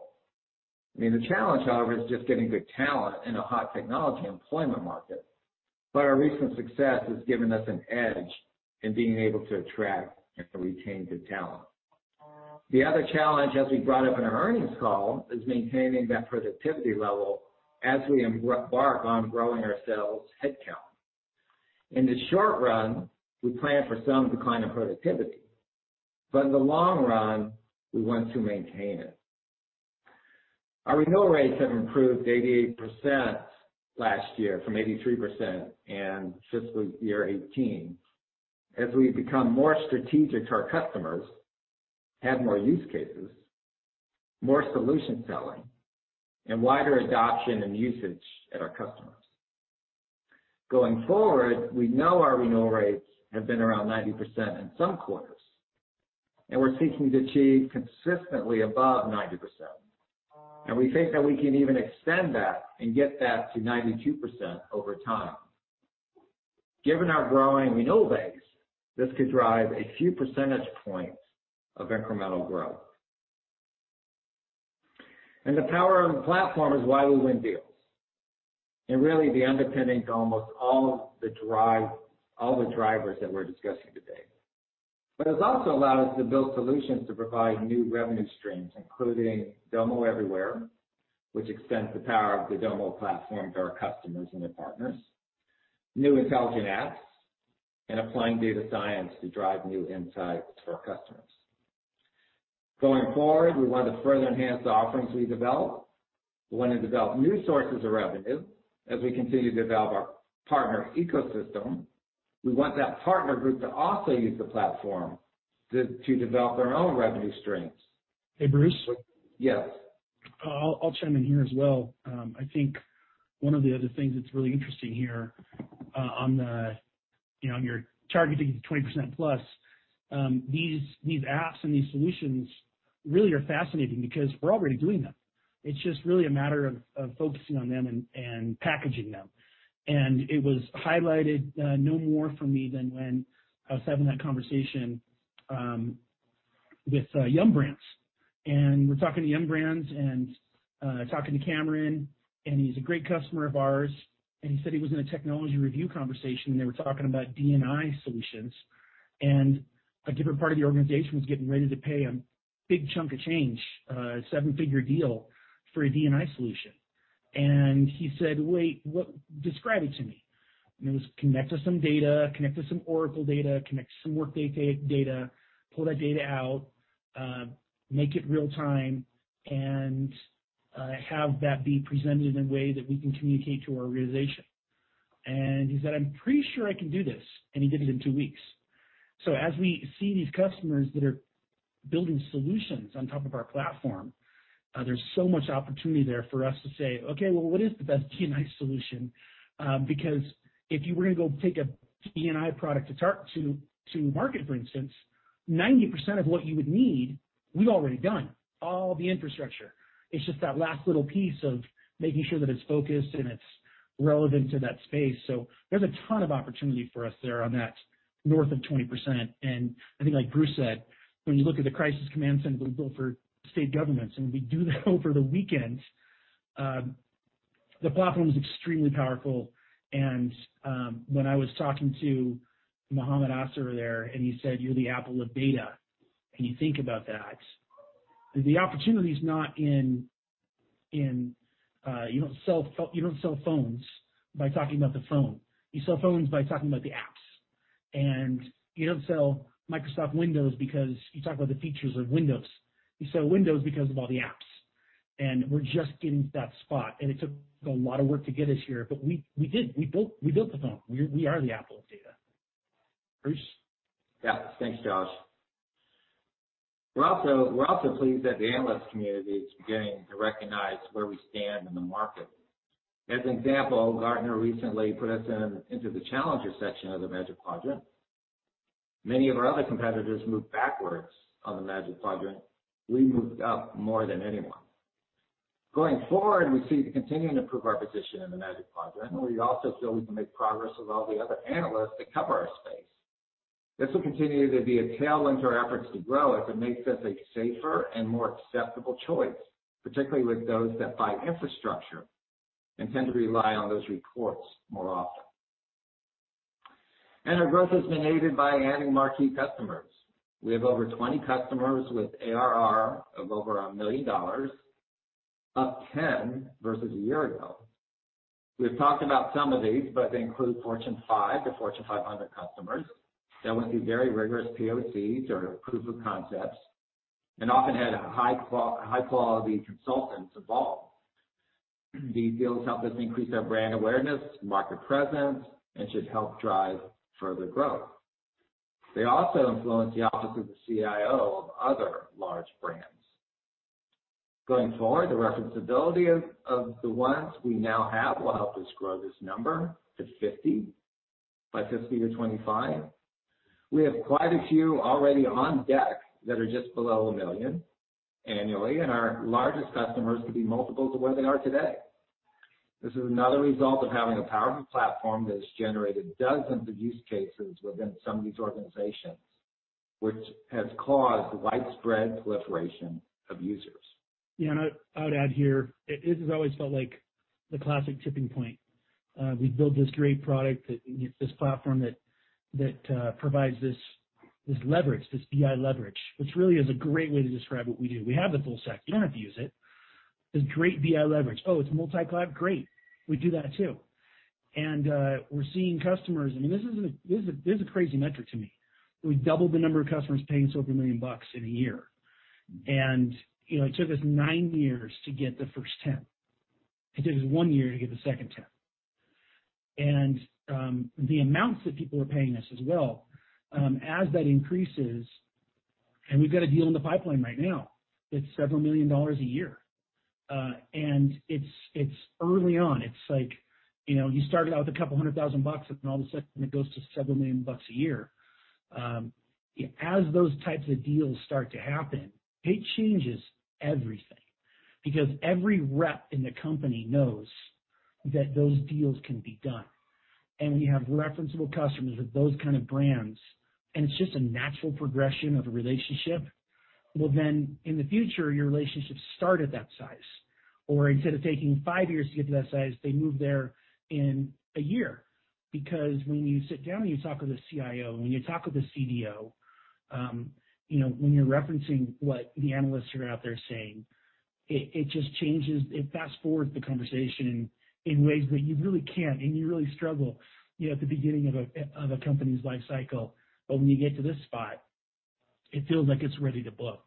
Speaker 1: The challenge, however, is just getting good talent in a hot technology employment market. Our recent success has given us an edge in being able to attract and retain good talent. The other challenge, as we brought up in our earnings call, is maintaining that productivity level as we embark on growing our sales headcount. In the short run, we plan for some decline of productivity, but in the long run, we want to maintain it. Our renewal rates have improved 88% last year from 83% in fiscal year 2018, as we become more strategic to our customers, add more use cases, more solution selling, and wider adoption and usage at our customers. Going forward, we know our renewal rates have been around 90% in some quarters, and we're seeking to achieve consistently above 90%. We think that we can even extend that and get that to 92% over time. Given our growing renewal base, this could drive a few percentage points of incremental growth. The power of the platform is why we win deals, and really be underpinning to almost all the drivers that we're discussing today. It has also allowed us to build solutions to provide new revenue streams, including Domo Everywhere, which extends the power of the Domo platform to our customers and their partners, new intelligent apps, and applying data science to drive new insights for our customers. Going forward, we want to further enhance the offerings we develop. We want to develop new sources of revenue as we continue to develop our partner ecosystem. We want that partner group to also use the platform to develop their own revenue streams.
Speaker 2: Hey, Bruce?
Speaker 1: Yes.
Speaker 2: I'll chime in here as well. I think one of the other things that's really interesting here on your targeting of 20%+, these apps and these solutions really are fascinating because we're already doing them. It's just really a matter of focusing on them and packaging them. It was highlighted no more for me than when I was having that conversation with Yum! Brands. We were talking to Yum! Brands, and talking to Cameron, and he's a great customer of ours. He said he was in a technology review conversation, and they were talking about D&I solutions. A different part of the organization was getting ready to pay a big chunk of change, a seven-figure deal, for a D&I solution. He said, "Wait, describe it to me." It was connect to some data, connect to some Oracle data, connect to some Workday data, pull that data out, make it real time, and have that be presented in a way that we can communicate to our organization. He said, "I'm pretty sure I can do this," and he did it in two weeks. As we see these customers that are building solutions on top of our platform, there's so much opportunity there for us to say, "Okay, well, what is the best D&I solution?" Because if you were going to go take a D&I product to market, for instance, 90% of what you would need, we've already done all the infrastructure. It's just that last little piece of making sure that it's focused and it's relevant to that space. There's a ton of opportunity for us there on that north of 20%. I think like Bruce said, when you look at the Crisis Command Center we built for state governments, and we do that over the weekend. The platform is extremely powerful. When I was talking to Muhammad Asir there, and he said, "You're the Apple of data," and you think about that, the opportunity's not in. You don't sell phones by talking about the phone. You sell phones by talking about the apps. You don't sell Microsoft Windows because you talk about the features of Windows. You sell Windows because of all the apps. We're just getting to that spot. It took a lot of work to get us here, but we did, we built the phone. We are the Apple of data. Bruce?
Speaker 1: Yeah. Thanks, Josh. We're also pleased that the analyst community is beginning to recognize where we stand in the market. As an example, Gartner recently put us into the challenger section of the Magic Quadrant. Many of our other competitors moved backwards on the Magic Quadrant. We moved up more than anyone. Going forward, we see continuing to improve our position in the Magic Quadrant, we also feel we can make progress with all the other analysts that cover our space. This will continue to be a tailwind to our efforts to grow, as it makes us a safer and more acceptable choice, particularly with those that buy infrastructure and tend to rely on those reports more often. Our growth has been aided by adding marquee customers. We have over 20 customers with ARR of over $1 million, up 10 versus a year ago. We've talked about some of these, but they include Fortune 5 to Fortune 500 customers that went through very rigorous POCs or Proof of Concepts, and often had high-quality consultants involved. These deals help us increase our brand awareness, market presence, and should help drive further growth. They also influence the offices of CIO of other large brands. Going forward, the referenceability of the ones we now have will help us grow this number to 50, by 50-25. We have quite a few already on deck that are just below $1 million annually, and our largest customers could be multiples of where they are today. This is another result of having a powerful platform that has generated dozens of use cases within some of these organizations, which has caused widespread proliferation of users.
Speaker 2: I would add here, this has always felt like the classic tipping point. We've built this great product, this platform that provides this leverage, this BI leverage, which really is a great way to describe what we do. We have the full stack. You don't have to use it. There's great BI leverage. Oh, it's multi-cloud? Great, we do that, too. We're seeing customers, I mean, this is a crazy metric to me. We doubled the number of customers paying us over $1 million in a year. It took us nine years to get the first 10. It took us one year to get the second 10. The amounts that people are paying us as well, as that increases, and we've got a deal in the pipeline right now that's several million dollars a year. It's early on. It's like, you started out with couple hundred thousand bucks, and all of a sudden it goes to several million bucks a year. As those types of deals start to happen, it changes everything, because every rep in the company knows that those deals can be done. When you have referenceable customers with those kind of brands, and it's just a natural progression of a relationship, well then, in the future, your relationships start at that size. Instead of taking five years to get to that size, they move there in a year. When you sit down and you talk with a CIO, when you talk with a CDO, when you're referencing what the analysts are out there saying, it just changes. It fast-forwards the conversation in ways that you really can't, and you really struggle at the beginning of a company's life cycle. When you get to this spot, it feels like it's ready to blow.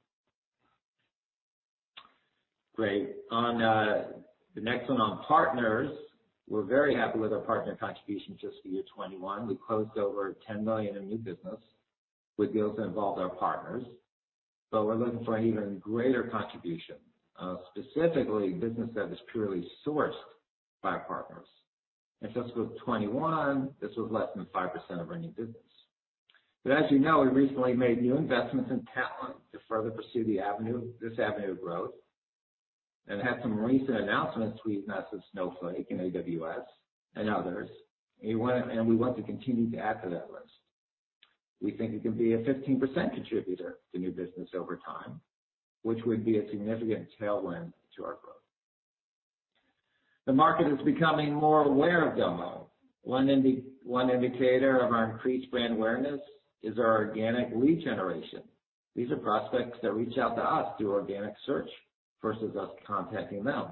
Speaker 1: Great. On the next one, on partners, we're very happy with our partner contribution to fiscal year 2021. We closed over $10 million in new business with deals that involved our partners. We're looking for an even greater contribution, specifically business that is purely sourced by partners. In fiscal 2021, this was less than 5% of our new business. As you know, we recently made new investments in talent to further pursue this avenue of growth, and had some recent announcements we've made with Snowflake and AWS and others, and we want to continue to add to that list. We think it can be a 15% contributor to new business over time, which would be a significant tailwind to our growth. The market is becoming more aware of Domo. One indicator of our increased brand awareness is our organic lead generation. These are prospects that reach out to us through organic search, versus us contacting them.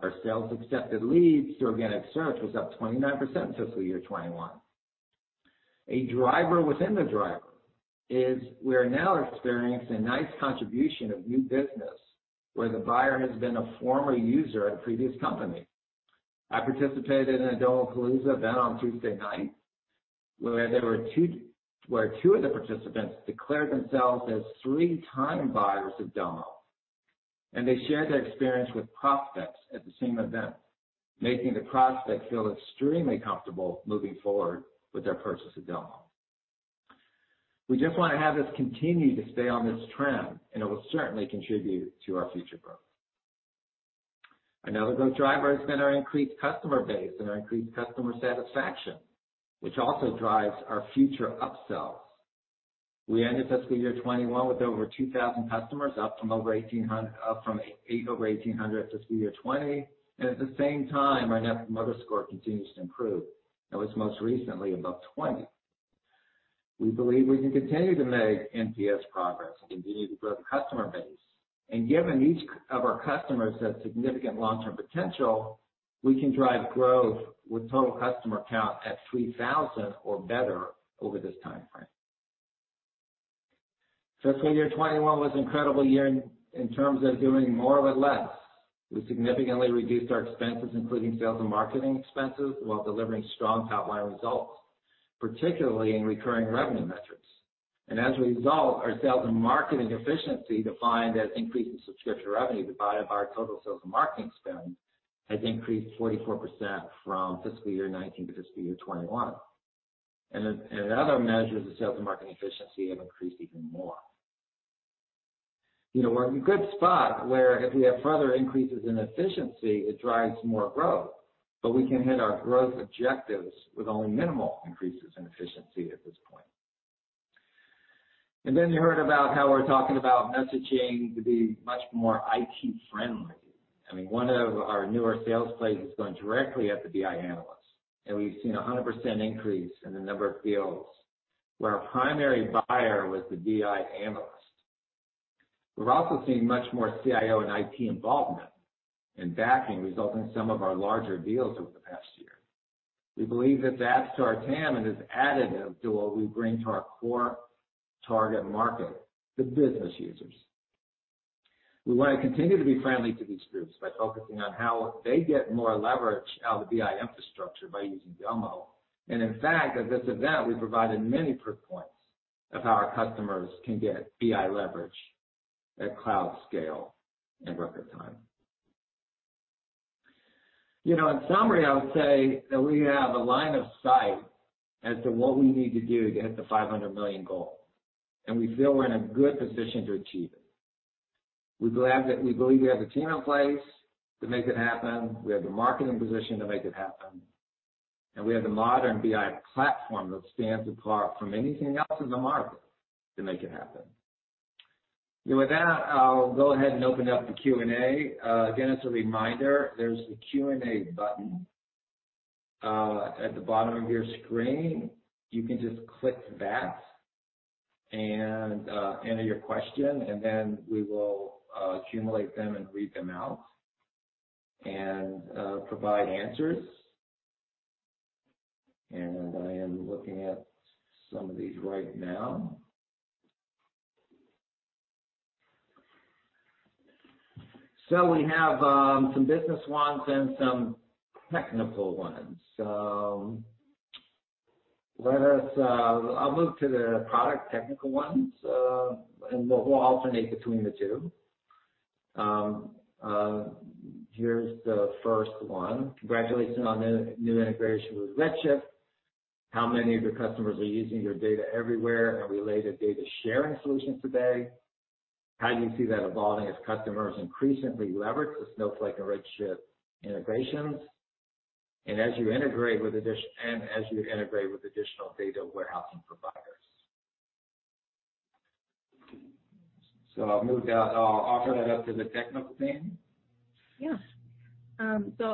Speaker 1: Our sales-accepted leads through organic search was up 29% in fiscal year 2021. A driver within the driver is we are now experiencing a nice contribution of new business where the buyer has been a former user at a previous company. I participated in a Domopalooza event on Tuesday night, where two of the participants declared themselves as three-time buyers of Domo, and they shared their experience with prospects at the same event, making the prospect feel extremely comfortable moving forward with their purchase of Domo. We just want to have this continue to stay on this trend, and it will certainly contribute to our future growth. Another growth driver has been our increased customer base and our increased customer satisfaction, which also drives our future upsells. We ended fiscal year 2021 with over 2,000 customers, up from over 1,800 fiscal year 2020. At the same time, our Net Promoter Score continues to improve. It was most recently above 20. We believe we can continue to make NPS progress and continue to grow the customer base. Given each of our customers has significant long-term potential, we can drive growth with total customer count at 3,000 or better over this timeframe. Fiscal year 2021 was an incredible year in terms of doing more with less. We significantly reduced our expenses, including sales and marketing expenses, while delivering strong top-line results, particularly in recurring revenue metrics. As a result, our sales and marketing efficiency, defined as increase in subscription revenue divided by our total sales and marketing spend, has increased 44% from fiscal year 2019 to fiscal year 2021. Other measures of sales and marketing efficiency have increased even more. We're in a good spot where if we have further increases in efficiency, it drives more growth. We can hit our growth objectives with only minimal increases in efficiency at this point. You heard about how we're talking about messaging to be much more IT friendly. I mean, one of our newer sales plays is going directly at the BI analysts, and we've seen 100% increase in the number of deals where a primary buyer was the BI analyst. We're also seeing much more CIO and IT involvement and backing, resulting in some of our larger deals over the past year. We believe that that's our TAM, and is additive to what we bring to our core target market, the business users. We want to continue to be friendly to these groups by focusing on how they get more leverage out of the BI infrastructure by using Domo. In fact, at this event, we provided many proof points of how our customers can get BI leverage at cloud scale in record time. In summary, I would say that we have a line of sight as to what we need to do to hit the $500 million goal, and we feel we're in a good position to achieve it. We believe we have the team in place to make it happen. We have the marketing position to make it happen, and we have the modern BI platform that stands apart from anything else in the market to make it happen. With that, I'll go ahead and open up the Q&A. Again, as a reminder, there's a Q&A button at the bottom of your screen. You can just click that and enter your question, and then we will accumulate them and read them out and provide answers. I am looking at some of these right now. We have some business ones and some technical ones. I'll move to the product technical ones, and we'll alternate between the two. Here's the first one. "Congratulations on the new integration with Redshift. How many of your customers are using your Domo Everywhere and related data sharing solutions today? How do you see that evolving as customers increasingly leverage the Snowflake and Redshift integrations, and as you integrate with additional data warehousing providers?" I'll move that. I'll offer that up to the technical team.
Speaker 5: Yeah.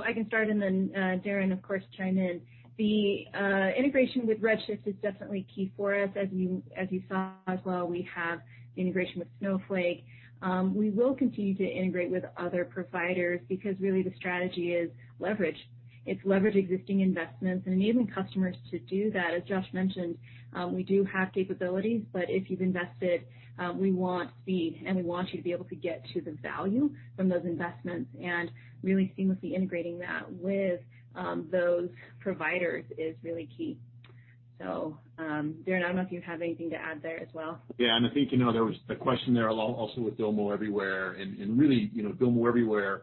Speaker 5: I can start, and then Daren, of course, chime in. The integration with Redshift is definitely key for us. As you saw as well, we have the integration with Snowflake. We will continue to integrate with other providers because really the strategy is leverage. It's leverage existing investments and enabling customers to do that. As Josh mentioned, we do have capabilities, but if you've invested, we want speed, and we want you to be able to get to the value from those investments, and really seamlessly integrating that with those providers is really key. Daren, I don't know if you have anything to add there as well.
Speaker 6: Yeah, I think there was the question there along also with Domo Everywhere and really, Domo Everywhere,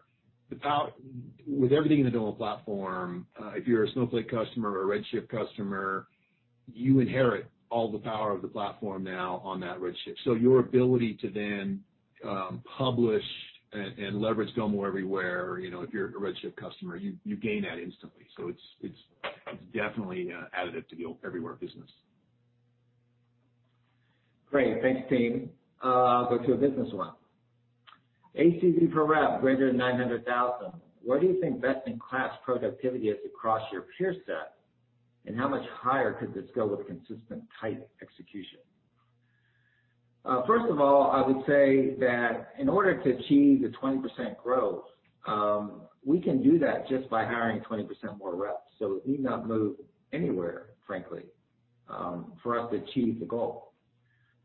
Speaker 6: with everything in the Domo platform, if you're a Snowflake customer or a Redshift customer, you inherit all the power of the platform now on that Redshift. Your ability to then publish and leverage Domo Everywhere, if you're a Redshift customer, you gain that instantly. It's definitely additive to the Everywhere business.
Speaker 1: Great. Thanks, team. I'll go to a business one. "ACV per rep greater than 900,000. Where do you think best-in-class productivity is across your peer set, and how much higher could this go with consistent tight execution?" First of all, I would say that in order to achieve the 20% growth, we can do that just by hiring 20% more reps. We need not move anywhere, frankly, for us to achieve the goal.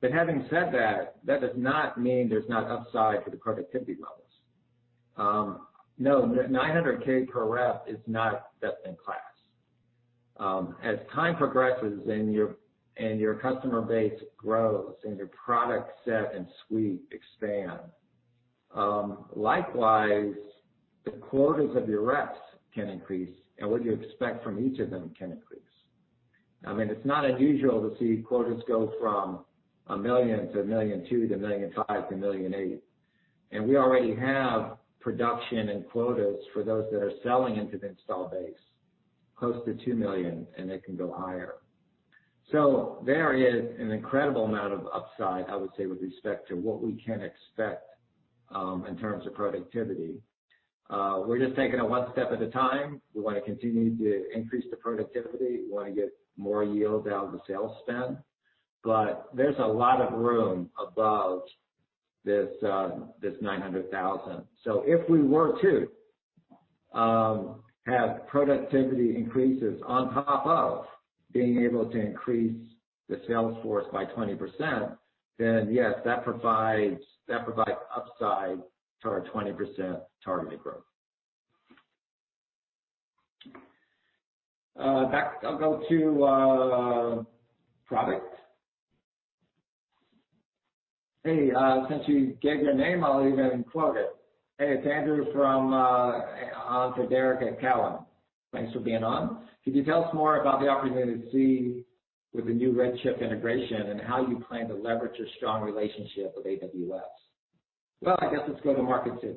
Speaker 1: Having said that does not mean there's not upside for the productivity levels. No, 900,000 per rep is not best in class. As time progresses and your customer base grows and your product set and suite expand, likewise, the quotas of your reps can increase, and what you expect from each of them can increase. It's not unusual to see quotas go from $1 million to $1.2 million to $1.5 million to $1.8 million. We already have production and quotas for those that are selling into the install base close to $2 million, and they can go higher. There is an incredible amount of upside, I would say, with respect to what we can expect, in terms of productivity. We're just taking it one step at a time. We want to continue to increase the productivity. We want to get more yield out of the sales spend. There's a lot of room above this $900,000. If we were to have productivity increases on top of being able to increase the sales force by 20%, then yes, that provides upside to our 20% targeted growth. I'll go to product. Hey, since you gave your name, I'll even quote it. Hey, it's Andrew from [TD Cowen]. Thanks for being on. "Could you tell us more about the opportunity with the new Redshift integration and how you plan to leverage your strong relationship with AWS?" Well, I guess it's go to market too.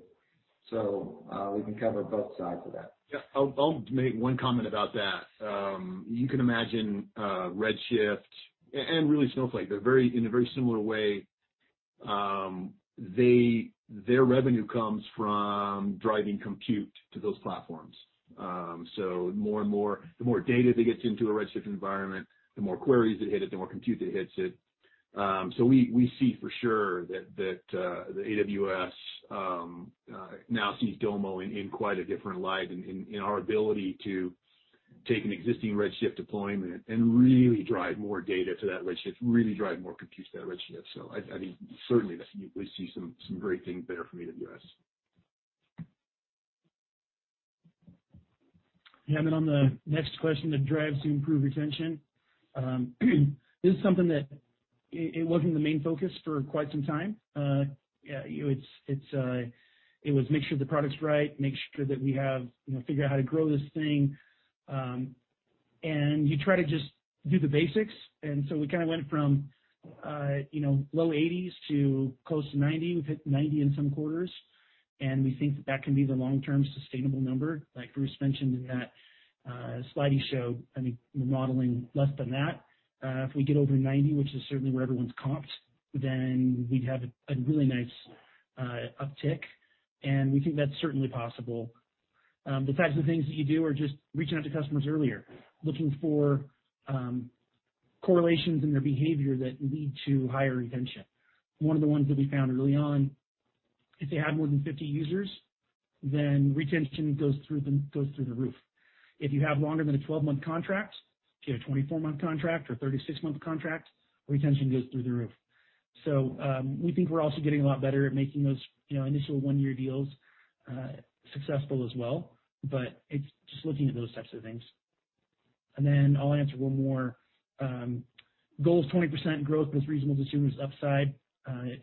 Speaker 1: We can cover both sides of that.
Speaker 6: I'll make one comment about that. You can imagine Redshift and really Snowflake, they're in a very similar way. Their revenue comes from driving compute to those platforms. The more data that gets into a Redshift environment, the more queries that hit it, the more compute that hits it. We see for sure that AWS now sees Domo in quite a different light in our ability to take an existing Redshift deployment and really drive more data to that Redshift, really drive more compute to that Redshift. I think certainly we see some great things there from AWS.
Speaker 2: Yeah. On the next question, the drives to improve retention. This is something that it wasn't the main focus for quite some time. It was make sure the product's right, make sure that figure out how to grow this thing. You try to just do the basics, we kind of went from low 80s to close to 90. We've hit 90 in some quarters, we think that that can be the long-term sustainable number. Like Bruce mentioned in that slide show, we're modeling less than that. If we get over 90, which is certainly where everyone's comped, we'd have a really nice uptick, we think that's certainly possible. The types of things that you do are just reaching out to customers earlier, looking for correlations in their behavior that lead to higher retention. One of the ones that we found early on, if they have more than 50 users, then retention goes through the roof. If you have longer than a 12-month contract, if you have a 24-month contract or 36-month contract, retention goes through the roof. We think we're also getting a lot better at making those initial one-year deals successful as well. It's just looking at those types of things. I'll answer one more. Goal is 20% growth with reasonable to assume there's upside.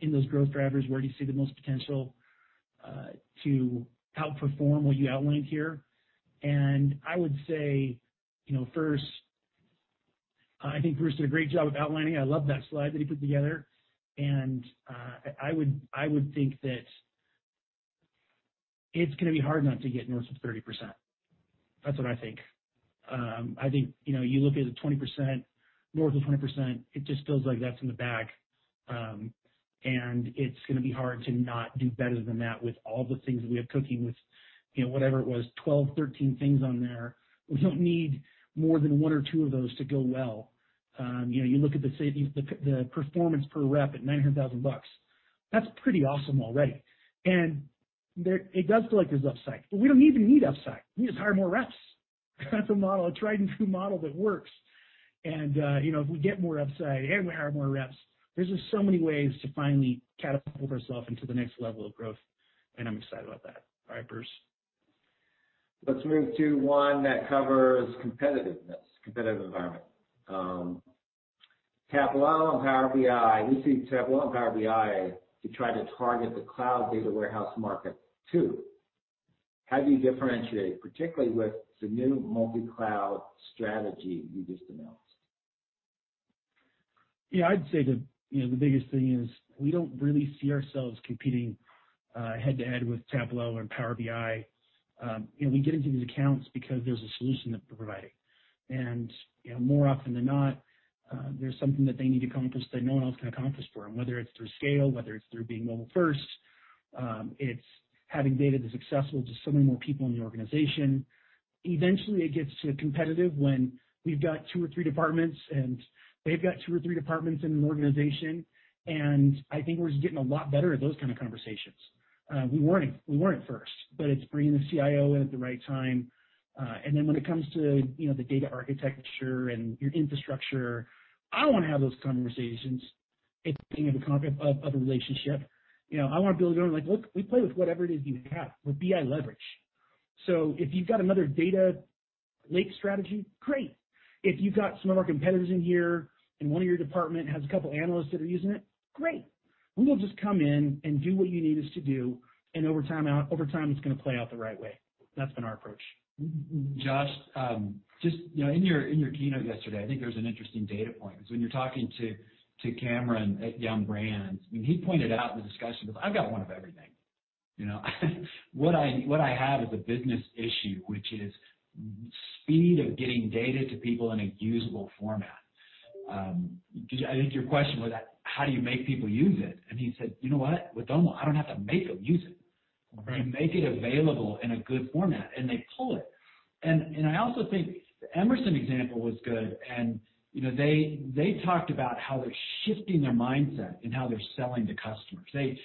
Speaker 2: In those growth drivers, where do you see the most potential to outperform what you outlined here? I would say, first, I think Bruce did a great job of outlining it. I love that slide that he put together. I would think that it's going to be hard not to get north of 30%. That's what I think. I think, you look at the 20%, north of 20%, it just feels like that's in the bag. It's going to be hard to not do better than that with all the things that we have cooking with whatever it was, 12, 13 things on there. We don't need more than one or two of those to go well. You look at the savings, the performance per rep at $900,000. That's pretty awesome already. We don't even need upside. We just hire more reps. That's a model, a tried and true model that works. If we get more upside and we hire more reps, there's just so many ways to finally catapult ourself into the next level of growth, and I'm excited about that. All right, Bruce.
Speaker 1: Let's move to one that covers competitiveness, competitive environment. Tableau and Power BI. We see Tableau and Power BI to try to target the cloud data warehouse market, too. How do you differentiate, particularly with the new multi-cloud strategy you just announced?
Speaker 2: Yeah, I'd say the biggest thing is we don't really see ourselves competing head-to-head with Tableau and Power BI. We get into these accounts because there's a solution that we're providing. More often than not, there's something that they need to accomplish that no one else can accomplish for them, whether it's through scale, whether it's through being mobile first, it's having data that's accessible to so many more people in the organization. Eventually, it gets competitive when we've got two or three departments, and they've got two or three departments in an organization, and I think we're just getting a lot better at those kind of conversations. We weren't at first, but it's bringing the CIO in at the right time. Then when it comes to the data architecture and your infrastructure, I want to have those conversations at the beginning of a relationship. I want to be able to go in like, "Look, we play with whatever it is you have with BI leverage. If you've got another data lake strategy, great. If you've got some of our competitors in here and one of your department has a couple analysts that are using it, great. We will just come in and do what you need us to do, and over time, it's going to play out the right way." That's been our approach.
Speaker 3: Josh, just in your keynote yesterday, I think there was an interesting data point. It's when you're talking to Cameron at Yum! Brands, I mean, he pointed out in the discussion, he goes, "I've got one of everything." What I have is a business issue, which is speed of getting data to people in a usable format. I think your question was, how do you make people use it? He said, "You know what? With Domo, I don't have to make them use it.
Speaker 2: Right.
Speaker 3: You make it available in a good format, and they pull it. I also think the Emerson example was good and they talked about how they're shifting their mindset in how they're selling to customers.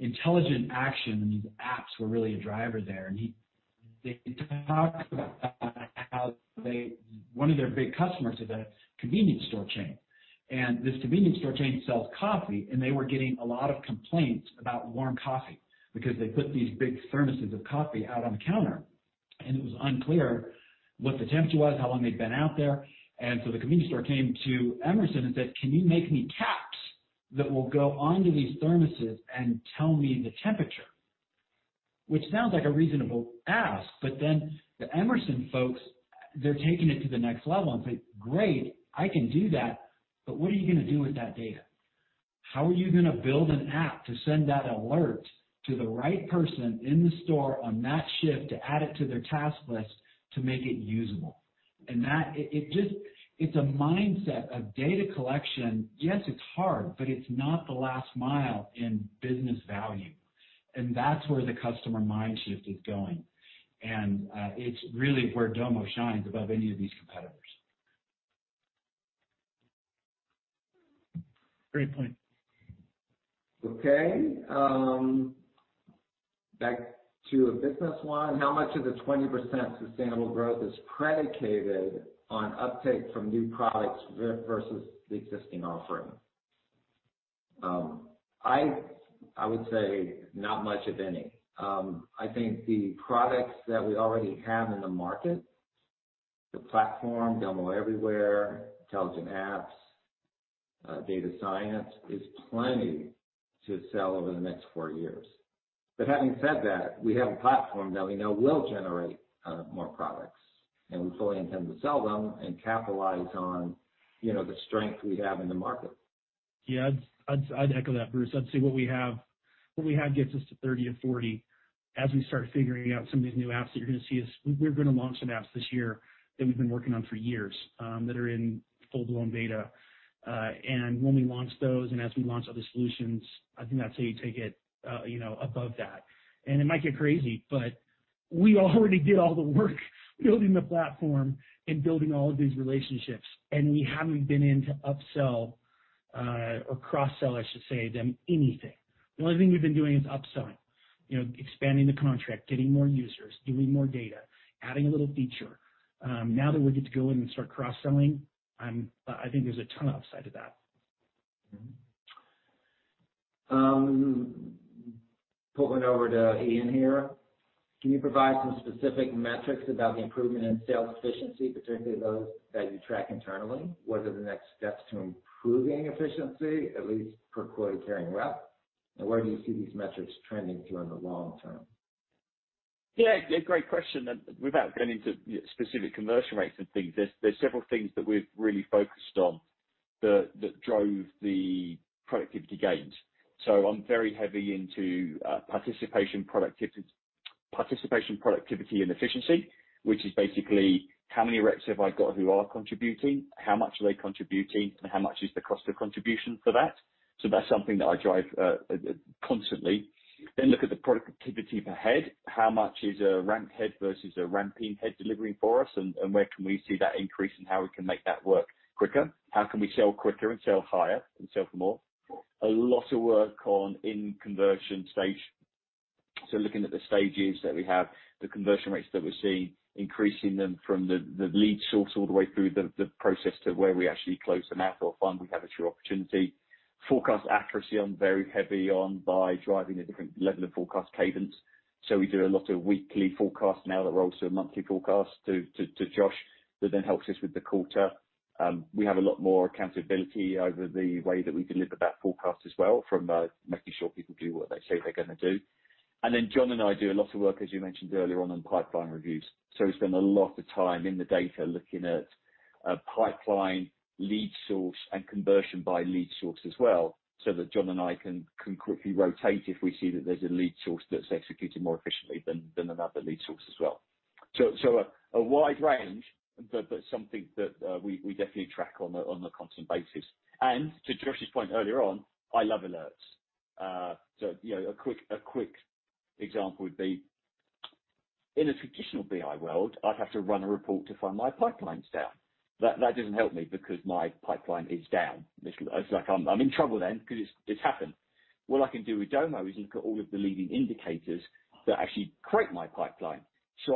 Speaker 3: Intelligent action and these apps were really a driver there. They talked about how one of their big customers is a convenience store chain. This convenience store chain sells coffee, and they were getting a lot of complaints about warm coffee because they put these big thermoses of coffee out on the counter, and it was unclear what the temperature was, how long they'd been out there. The convenience store came to Emerson and said, "Can you make me caps that will go onto these thermoses and tell me the temperature?" Which sounds like a reasonable ask, but then the Emerson folks, they're taking it to the next level and saying, "Great, I can do that, but what are you going to do with that data? How are you going to build an app to send that alert to the right person in the store on that shift to add it to their task list to make it usable?" It's a mindset of data collection. Yes, it's hard, but it's not the last mile in business value. That's where the customer mind shift is going. It's really where Domo shines above any of these competitors.
Speaker 2: Great point.
Speaker 1: Okay. Back to a business one. How much of the 20% sustainable growth is predicated on uptake from new products versus the existing offering? I would say not much of any. I think the products that we already have in the market, the platform, Domo Everywhere, intelligent apps, data science, is plenty to sell over the next four years. Having said that, we have a platform that we know will generate more products, and we fully intend to sell them and capitalize on the strength we have in the market.
Speaker 2: Yeah. I'd echo that, Bruce. I'd say what we have gets us to 30-40. As we start figuring out some of these new apps. We're going to launch some apps this year that we've been working on for years, that are in full-blown beta. When we launch those, and as we launch other solutions, I think that's how you take it above that. It might get crazy, but we already did all the work building the platform and building all of these relationships, and we haven't been in to upsell or cross-sell, I should say, them anything. The only thing we've been doing is upselling, expanding the contract, getting more users, doing more data, adding a little feature. Now that we get to go in and start cross-selling, I think there's a ton of upside to that.
Speaker 1: Pull one over to Ian here. Can you provide some specific metrics about the improvement in sales efficiency, particularly those that you track internally? What are the next steps to improving efficiency, at least per quota-carrying rep? Where do you see these metrics trending to in the long term?
Speaker 4: Yeah. Great question. Without going into specific conversion rates and things, there's several things that we've really focused on that drove the productivity gains. I'm very heavy into participation, productivity, and efficiency, which is basically how many reps have I got who are contributing, how much are they contributing, and how much is the cost of contribution for that? That's something that I drive constantly. Look at the productivity per head. How much is a ramp head versus a ramping head delivering for us, and where can we see that increase and how we can make that work quicker? How can we sell quicker and sell higher and sell for more? A lot of work on in conversion stage. Looking at the stages that we have, the conversion rates that we're seeing, increasing them from the lead source all the way through the process to where we actually close an app or fund, we have a true opportunity. Forecast accuracy, I'm very heavy on by driving a different level of forecast cadence. We do a lot of weekly forecasts now that roll to a monthly forecast to Josh, that then helps us with the quarter. We have a lot more accountability over the way that we deliver that forecast as well, from making sure people do what they say they're going to do. John and I do a lot of work, as you mentioned earlier on pipeline reviews. We spend a lot of time in the data looking at pipeline, lead source, and conversion by lead source as well, so that John and I can quickly rotate if we see that there's a lead source that's executing more efficiently than another lead source as well. A wide range, but something that we definitely track on a constant basis. To Josh's point earlier on, I love alerts. A quick example would be, in a traditional BI world, I'd have to run a report to find my pipeline's down. That doesn't help me because my pipeline is down. It's like I'm in trouble then because it's happened. What I can do with Domo is look at all of the leading indicators that actually create my pipeline.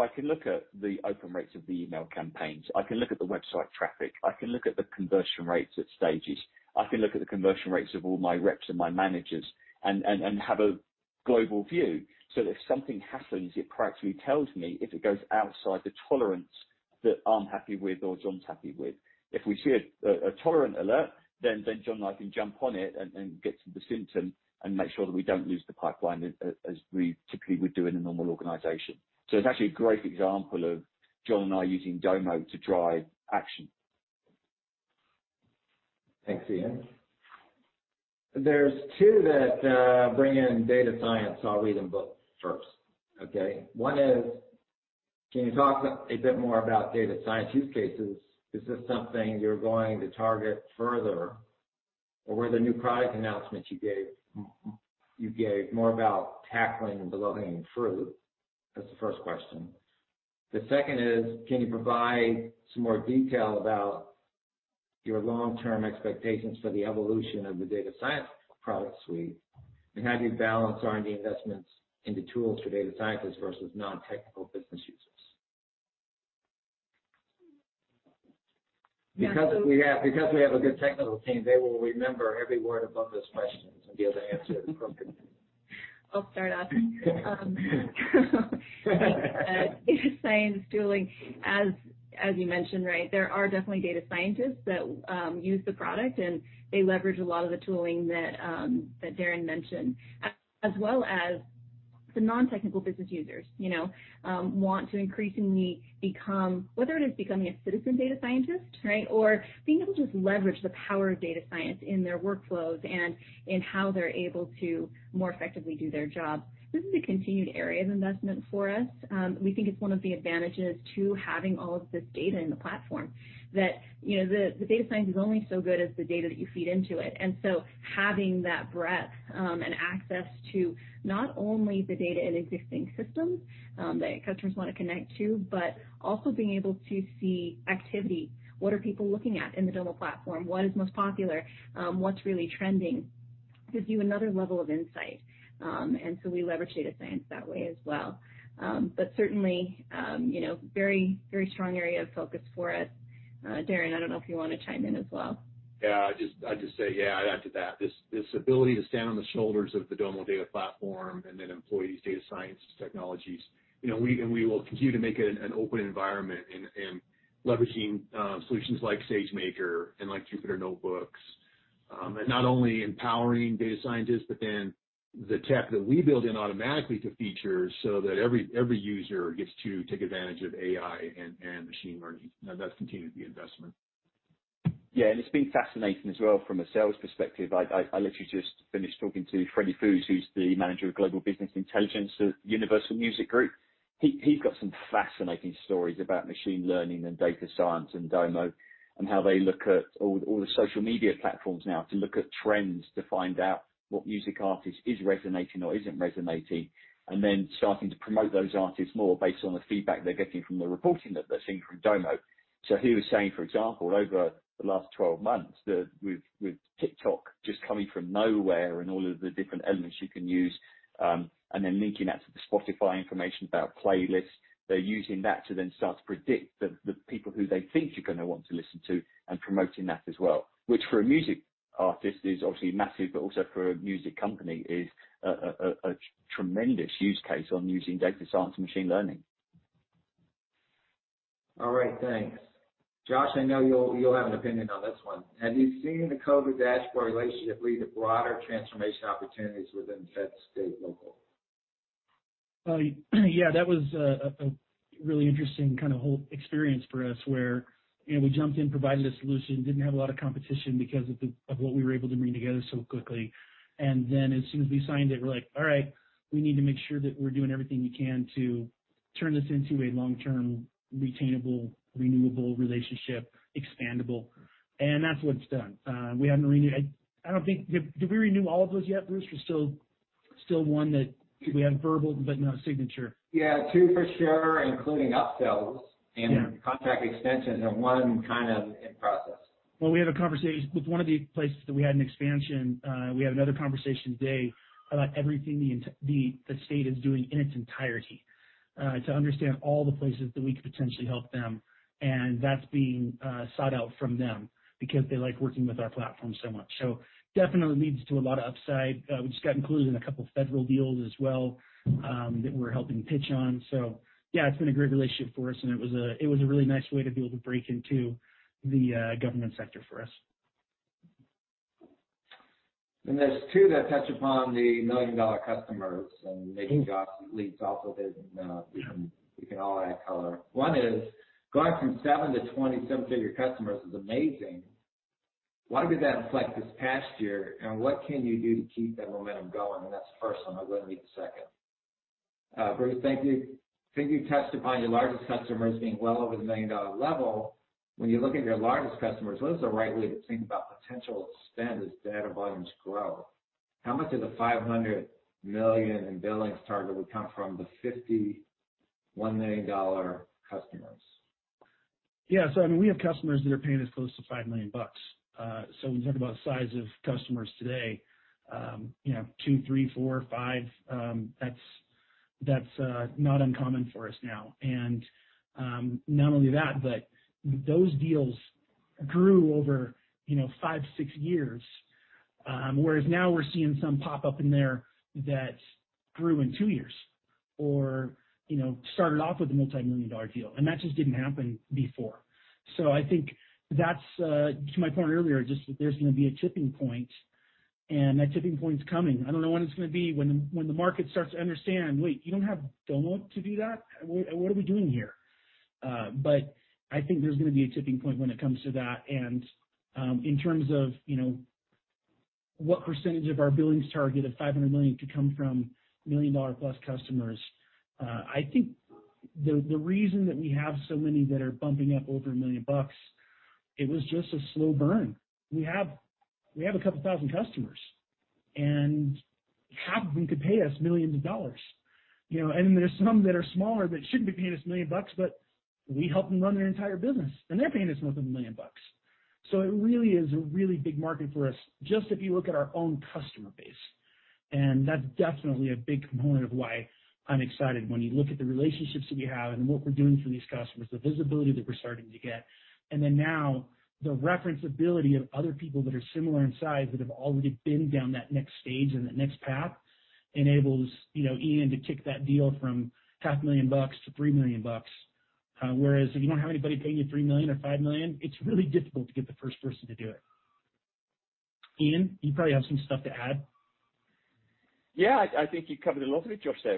Speaker 4: I can look at the open rates of the email campaigns. I can look at the website traffic. I can look at the conversion rates at stages. I can look at the conversion rates of all my reps and my managers and have a global view, so that if something happens, it practically tells me if it goes outside the tolerance that I'm happy with or John's happy with. If we see a tolerant alert, then John and I can jump on it and get to the symptom and make sure that we don't lose the pipeline as we typically would do in a normal organization. It's actually a great example of John and I using Domo to drive action.
Speaker 1: Thanks, Ian. There's two that bring in data science. I'll read them both first. Okay? One is, can you talk a bit more about data science use cases? Is this something you're going to target further? Were the new product announcements you gave more about tackling the low-hanging fruit? That's the first question. The second is, can you provide some more detail about your long-term expectations for the evolution of the data science product suite? How do you balance R&D investments into tools for data scientists versus non-technical business users? We have a good technical team, they will remember every word of both those questions and be able to answer it appropriately.
Speaker 5: I'll start off. Data science tooling, as you mentioned, right? There are definitely data scientists that use the product, and they leverage a lot of the tooling that Daren mentioned, as well as the non-technical business users want to increasingly become, whether it is becoming a citizen data scientist, right, or being able to just leverage the power of data science in their workflows and in how they're able to more effectively do their job. This is a continued area of investment for us. We think it's one of the advantages to having all of this data in the platform, that the data science is only so good as the data that you feed into it. Having that breadth, and access to not only the data in existing systems that customers want to connect to, but also being able to see activity. What are people looking at in the Domo platform? What is most popular? What's really trending? Gives you another level of insight. We leverage data science that way as well. Certainly, very strong area of focus for us. Daren, I don't know if you want to chime in as well.
Speaker 6: Yeah, I'd add to that. This ability to stand on the shoulders of the Domo data platform and then employ these data science technologies. We will continue to make it an open environment and leveraging solutions like SageMaker and Jupyter Notebooks. Not only empowering data scientists, but then the tech that we build in automatically to features so that every user gets to take advantage of AI and machine learning. Now, that's continued the investment.
Speaker 4: It's been fascinating as well from a sales perspective. I literally just finished talking to Freddy Foos, who's the manager of Global Business Intelligence at Universal Music Group. He's got some fascinating stories about machine learning and data science and Domo, and how they look at all the social media platforms now to look at trends to find out what music artist is resonating or isn't resonating, and then starting to promote those artists more based on the feedback they're getting from the reporting that they're seeing from Domo. He was saying, for example, over the last 12 months, with TikTok just coming from nowhere and all of the different elements you can use, and then linking that to the Spotify information about playlists. They're using that to then start to predict the people who they think you're going to want to listen to and promoting that as well, which for a music artist is obviously massive, but also for a music company is a tremendous use case on using data science and machine learning.
Speaker 1: All right, thanks. Josh, I know you'll have an opinion on this one. Have you seen the COVID dashboard relationship lead to broader transformation opportunities within fed, state, and local?
Speaker 2: Yeah, that was a really interesting whole experience for us where we jumped in, provided a solution, didn't have a lot of competition because of what we were able to bring together so quickly. As soon as we signed it, we're like, "All right, we need to make sure that we're doing everything we can to turn this into a long-term, retainable, renewable relationship, expandable." That's what it's done. Did we renew all of those yet, Bruce? There's still one that we have verbal but no signature.
Speaker 1: Yeah, two for sure, including upsells.
Speaker 2: Yeah.
Speaker 1: Contract extensions, and one kind of in process.
Speaker 2: We had a conversation with one of the places that we had an expansion. We have another conversation today about everything the state is doing in its entirety, to understand all the places that we could potentially help them. That's being sought out from them because they like working with our platform so much. Definitely leads to a lot of upside. We just got included in a couple of federal deals as well, that we're helping pitch on. Yeah, it's been a great relationship for us, and it was a really nice way to be able to break into the government sector for us.
Speaker 1: There's two that touch upon the million-dollar customers, and maybe Josh leads off with his, and we can all add color. One is, going from 7-27 figure customers is amazing. What did that look like this past year, and what can you do to keep that momentum going? That's the first one. I'll go to the second. Bruce, I think you touched upon your largest customers being well over the million-dollar level. When you look at your largest customers, what is the right way to think about potential spend as data volumes grow? How much of the $500 million in billings target would come from the 50 $1 million customers?
Speaker 2: Yeah. We have customers that are paying us close to $5 million. When you talk about size of customers today, two, three, four, five, that's not uncommon for us now. Not only that, but those deals grew over five, six years, whereas now we're seeing some pop up in there that grew in two years or started off with a multimillion-dollar deal. I think that's to my point earlier, just that there's going to be a tipping point, and that tipping point's coming. I don't know when it's going to be, when the market starts to understand, "Wait, you don't have Domo to do that? What are we doing here?" I think there's going to be a tipping point when it comes to that. In terms of what percentage of our billings target of $500 million could come from million-dollar-plus customers, I think the reason that we have so many that are bumping up over $1 million, it was just a slow burn. We have 2,000 customers, and half of them could pay us millions of dollars. There's some that are smaller that shouldn't be paying us $1 million, but we help them run their entire business, and they're paying us more than $1 million. It really is a really big market for us, just if you look at our own customer base. That's definitely a big component of why I'm excited when you look at the relationships that we have and what we're doing for these customers, the visibility that we're starting to get. Now the reference-ability of other people that are similar in size that have already been down that next stage and that next path enables Ian to kick that deal from half a million bucks to $3 million. If you don't have anybody paying you $3 million or $5 million, it's really difficult to get the first person to do it. Ian, you probably have some stuff to add.
Speaker 4: Yeah, I think you covered a lot of it, Josh, there.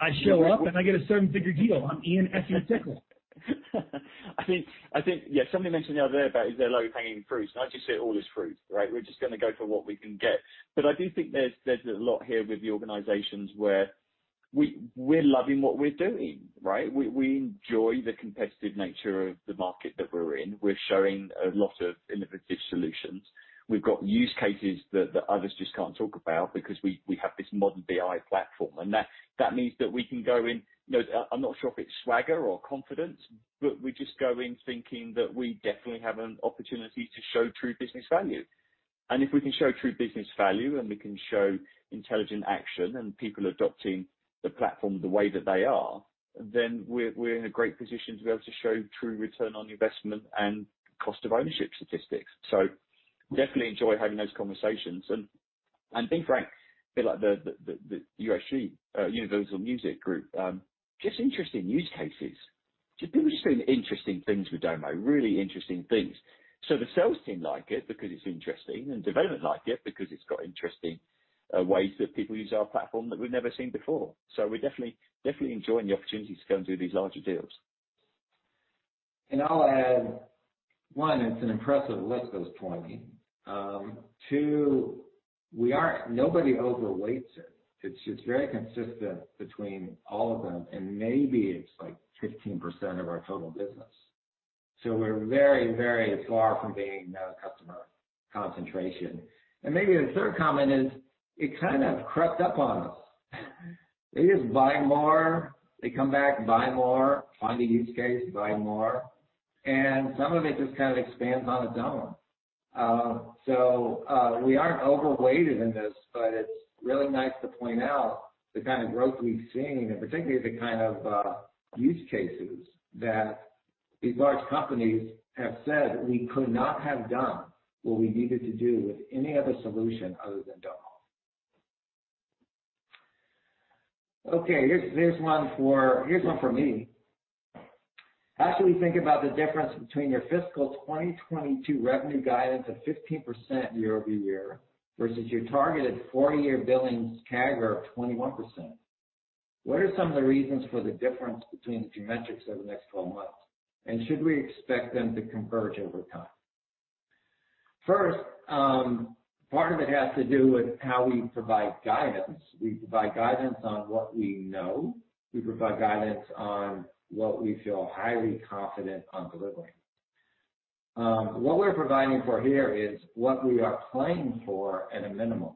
Speaker 2: I show up, and I get a seven-figure deal. I'm Ian as you Tickle.
Speaker 4: I think, yeah, somebody mentioned the other day about is there low-hanging fruit? I just say all is fruit, right? We're just going to go for what we can get. I do think there's a lot here with the organizations where we're loving what we're doing, right? We enjoy the competitive nature of the market that we're in. We're showing a lot of innovative solutions. We've got use cases that others just can't talk about because we have this modern BI platform. That means that we can go in, I'm not sure if it's swagger or confidence, but we just go in thinking that we definitely have an opportunity to show true business value. If we can show true business value and we can show intelligent action and people adopting the platform the way that they are, then we're in a great position to be able to show true return on investment and cost of ownership statistics. Definitely enjoy having those conversations, and I think, Frank, a bit like the UMG, Universal Music Group, just interesting use cases. Just people just doing interesting things with Domo, really interesting things. The sales team like it because it's interesting, and development like it because it's got interesting ways that people use our platform that we've never seen before. We're definitely enjoying the opportunity to go and do these larger deals.
Speaker 1: I'll add, one, it's an impressive list that was pointed. Two, nobody overweights it. It's very consistent between all of them, and maybe it's 15% of our total business. We're very far from being customer concentration. Maybe the third comment is, it kind of crept up on us. They just buy more, they come back, buy more, find a use case, buy more, and some of it just kind of expands on its own. We aren't overweighted in this, but it's really nice to point out the kind of growth we've seen, and particularly the kind of use cases that these large companies have said we could not have done what we needed to do with any other solution other than Domo. Okay. Here's one for me. How should we think about the difference between your fiscal 2022 revenue guidance of 15% year-over-year versus your targeted four-year billings CAGR of 21%? What are some of the reasons for the difference between the two metrics over the next 12 mi, and should we expect them to converge over time? Part of it has to do with how we provide guidance. We provide guidance on what we know. We provide guidance on what we feel highly confident on delivering. What we're providing for here is what we are planning for at a minimum.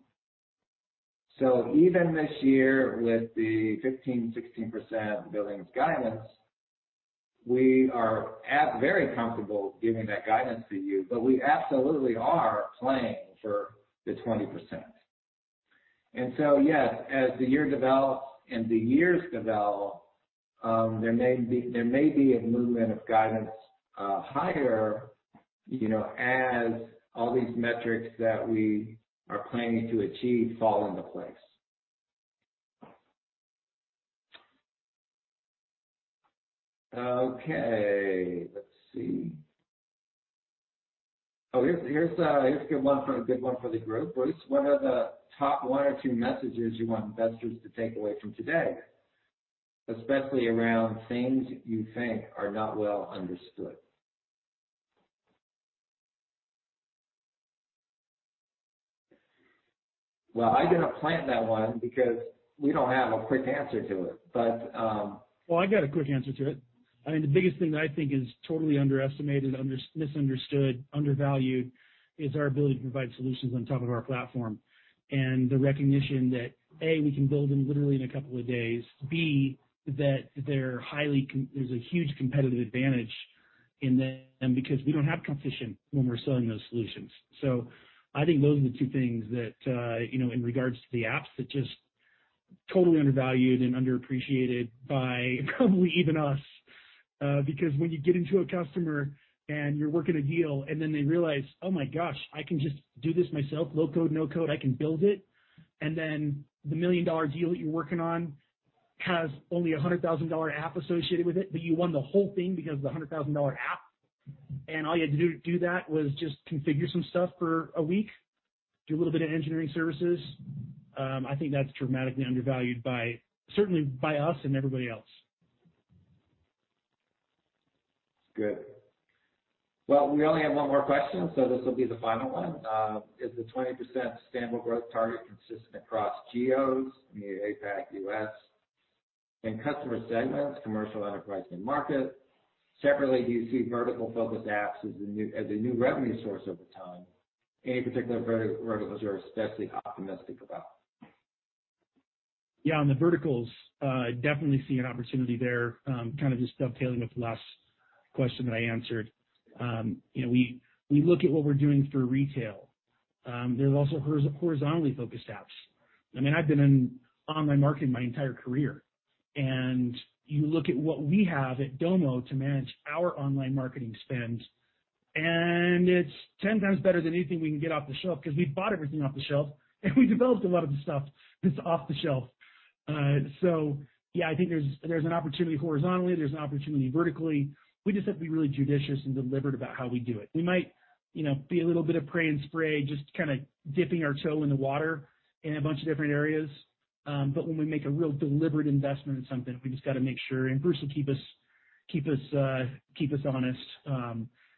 Speaker 1: Even this year with the 15%-16% billings guidance, we are at very comfortable giving that guidance to you, we absolutely are planning for the 20%. Yes, as the year develops and the years develop, there may be a movement of guidance higher as all these metrics that we are planning to achieve fall into place. Okay. Let's see. Oh, here's a good one for the group. What is one of the top one or two messages you want investors to take away from today, especially around things you think are not well understood? Well, I did not plant that one because we don't have a quick answer to it.
Speaker 2: Well, I got a quick answer to it. I mean, the biggest thing that I think is totally underestimated, misunderstood, undervalued, is our ability to provide solutions on top of our platform, and the recognition that, A, we can build them literally in a couple of days. B, that there's a huge competitive advantage in them because we don't have competition when we're selling those solutions. I think those are the two things that, in regards to the apps, that just totally undervalued and underappreciated by probably even us. When you get into a customer and you're working a deal, and then they realize, oh my gosh, I can just do this myself. Low-code, no-code, I can build it. The million-dollar deal that you're working on has only a $100,000 app associated with it, but you won the whole thing because of the $100,000 app, and all you had to do to do that was just configure some stuff for a week, do a little bit of engineering services. I think that's dramatically undervalued, certainly by us and everybody else.
Speaker 1: Good. Well, we only have one more question, so this will be the final one. Is the 20% sustainable growth target consistent across geos, meaning APAC, U.S., and customer segments, commercial, enterprise, and market? Separately, do you see vertical-focused apps as a new revenue source over time? Any particular verticals you are especially optimistic about?
Speaker 2: Yeah, on the verticals, definitely see an opportunity there, kind of just dovetailing with the last question that I answered. We look at what we're doing for retail. There's also horizontally-focused apps. I've been in online marketing my entire career, and you look at what we have at Domo to manage our online marketing spend, and it's 10 times better than anything we can get off the shelf because we bought everything off the shelf, and we developed a lot of the stuff that's off the shelf. Yeah, I think there's an opportunity horizontally. There's an opportunity vertically. We just have to be really judicious and deliberate about how we do it. We might be a little bit of pray and spray, just kind of dipping our toe in the water in a bunch of different areas. When we make a real deliberate investment in something, we just got to make sure, and Bruce will keep us honest.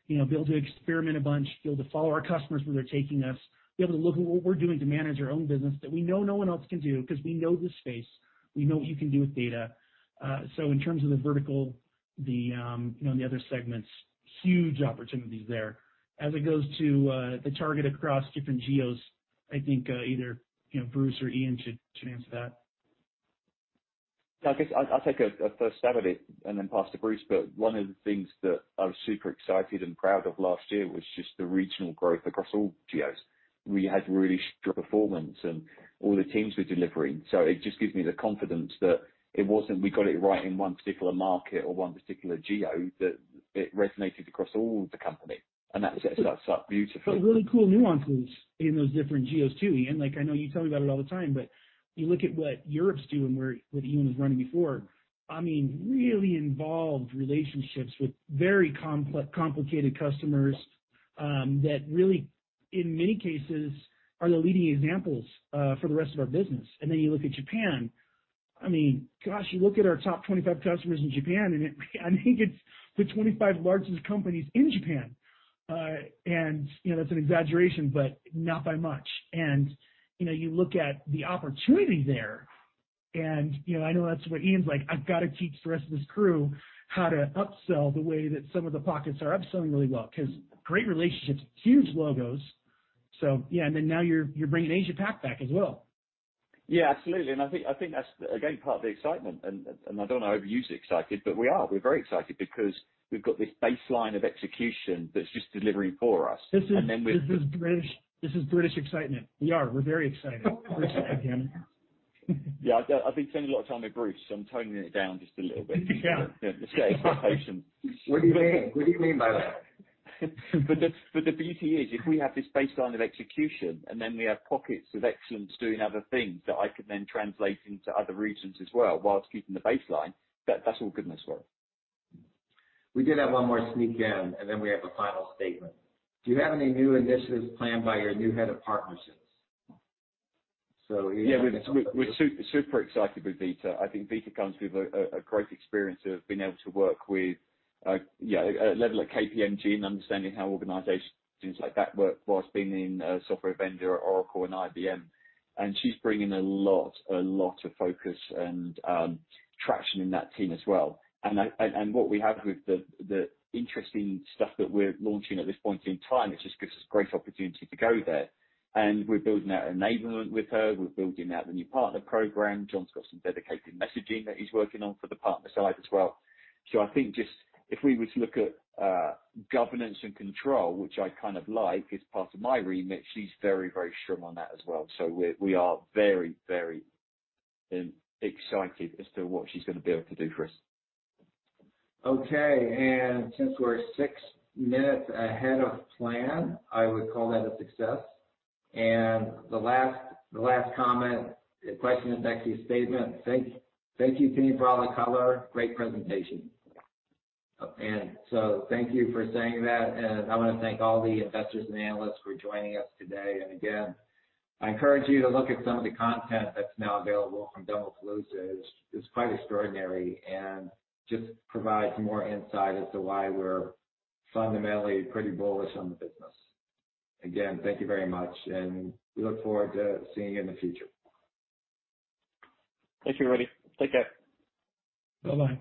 Speaker 2: Be able to experiment a bunch, be able to follow our customers where they're taking us, be able to look at what we're doing to manage our own business that we know no one else can do because we know this space. We know what you can do with data. In terms of the vertical, the other segments, huge opportunities there. It goes to the target across different geos, I think either Bruce or Ian should answer that.
Speaker 4: I guess I'll take a first stab at it and then pass to Bruce. One of the things that I was super excited and proud of last year was just the regional growth across all geos. We had really strong performance, and all the teams were delivering. It just gives me the confidence that it wasn't we got it right in one particular market or one particular geo, that it resonated across all the company, and that sets us up beautifully.
Speaker 2: Really cool nuances in those different geos, too, Ian. I know you tell me about it all the time, but you look at what Europe's doing, where Ian was running before, really involved relationships with very complicated customers that really, in many cases, are the leading examples for the rest of our business. Then you look at Japan, gosh, you look at our top 25 customers in Japan, and I think it's the 25 largest companies in Japan. That's an exaggeration, but not by much. You look at the opportunity there, and I know that's what Ian's like, "I've got to teach the rest of this crew how to upsell the way that some of the pockets are upselling really well." Great relationships, huge logos. Yeah, now you're bringing Asia Pac back as well.
Speaker 4: Yeah, absolutely. I think that's, again, part of the excitement. I don't want to overuse excited, but we are. We're very excited because we've got this baseline of execution that's just delivering for us.
Speaker 2: This is British excitement. We are. We're very excited. Bruce and Ian.
Speaker 4: Yeah. I've been spending a lot of time with Bruce, so I'm toning it down just a little bit.
Speaker 2: Yeah.
Speaker 4: Let's get excitement.
Speaker 1: What do you mean? What do you mean by that?
Speaker 4: The beauty is, if we have this baseline of execution and then we have pockets of excellence doing other things that I can then translate into other regions as well whilst keeping the baseline, that's all goodness work.
Speaker 1: We did have one more sneak in, and then we have a final statement. Do you have any new initiatives planned by your new head of partnerships? Ian.
Speaker 4: Yeah, we're super excited with Vita. I think Vita comes with a great experience of being able to work with a level of KPMG and understanding how organizations like that work whilst being in a software vendor at Oracle and IBM. She's bringing a lot of focus and traction in that team as well. What we have with the interesting stuff that we're launching at this point in time, it just gives us great opportunity to go there. We're building out enablement with her. We're building out the new partner program. John's got some dedicated messaging that he's working on for the partner side as well. I think just if we were to look at governance and control, which I kind of like as part of my remit, she's very strict on that as well. We are very excited as to what she's going to be able to do for us.
Speaker 1: Okay. Since we're six minutes ahead of plan, I would call that a success. The last comment, the question is actually a statement. "Thank you, team, for all the color. Great presentation." Thank you for saying that. I want to thank all the investors and analysts for joining us today. Again, I encourage you to look at some of the content that's now available from Domo Domopalooza. It's quite extraordinary and just provides more insight as to why we're fundamentally pretty bullish on the business. Again, thank you very much, and we look forward to seeing you in the future.
Speaker 4: Thank you, everybody. Take care.
Speaker 2: Bye-bye.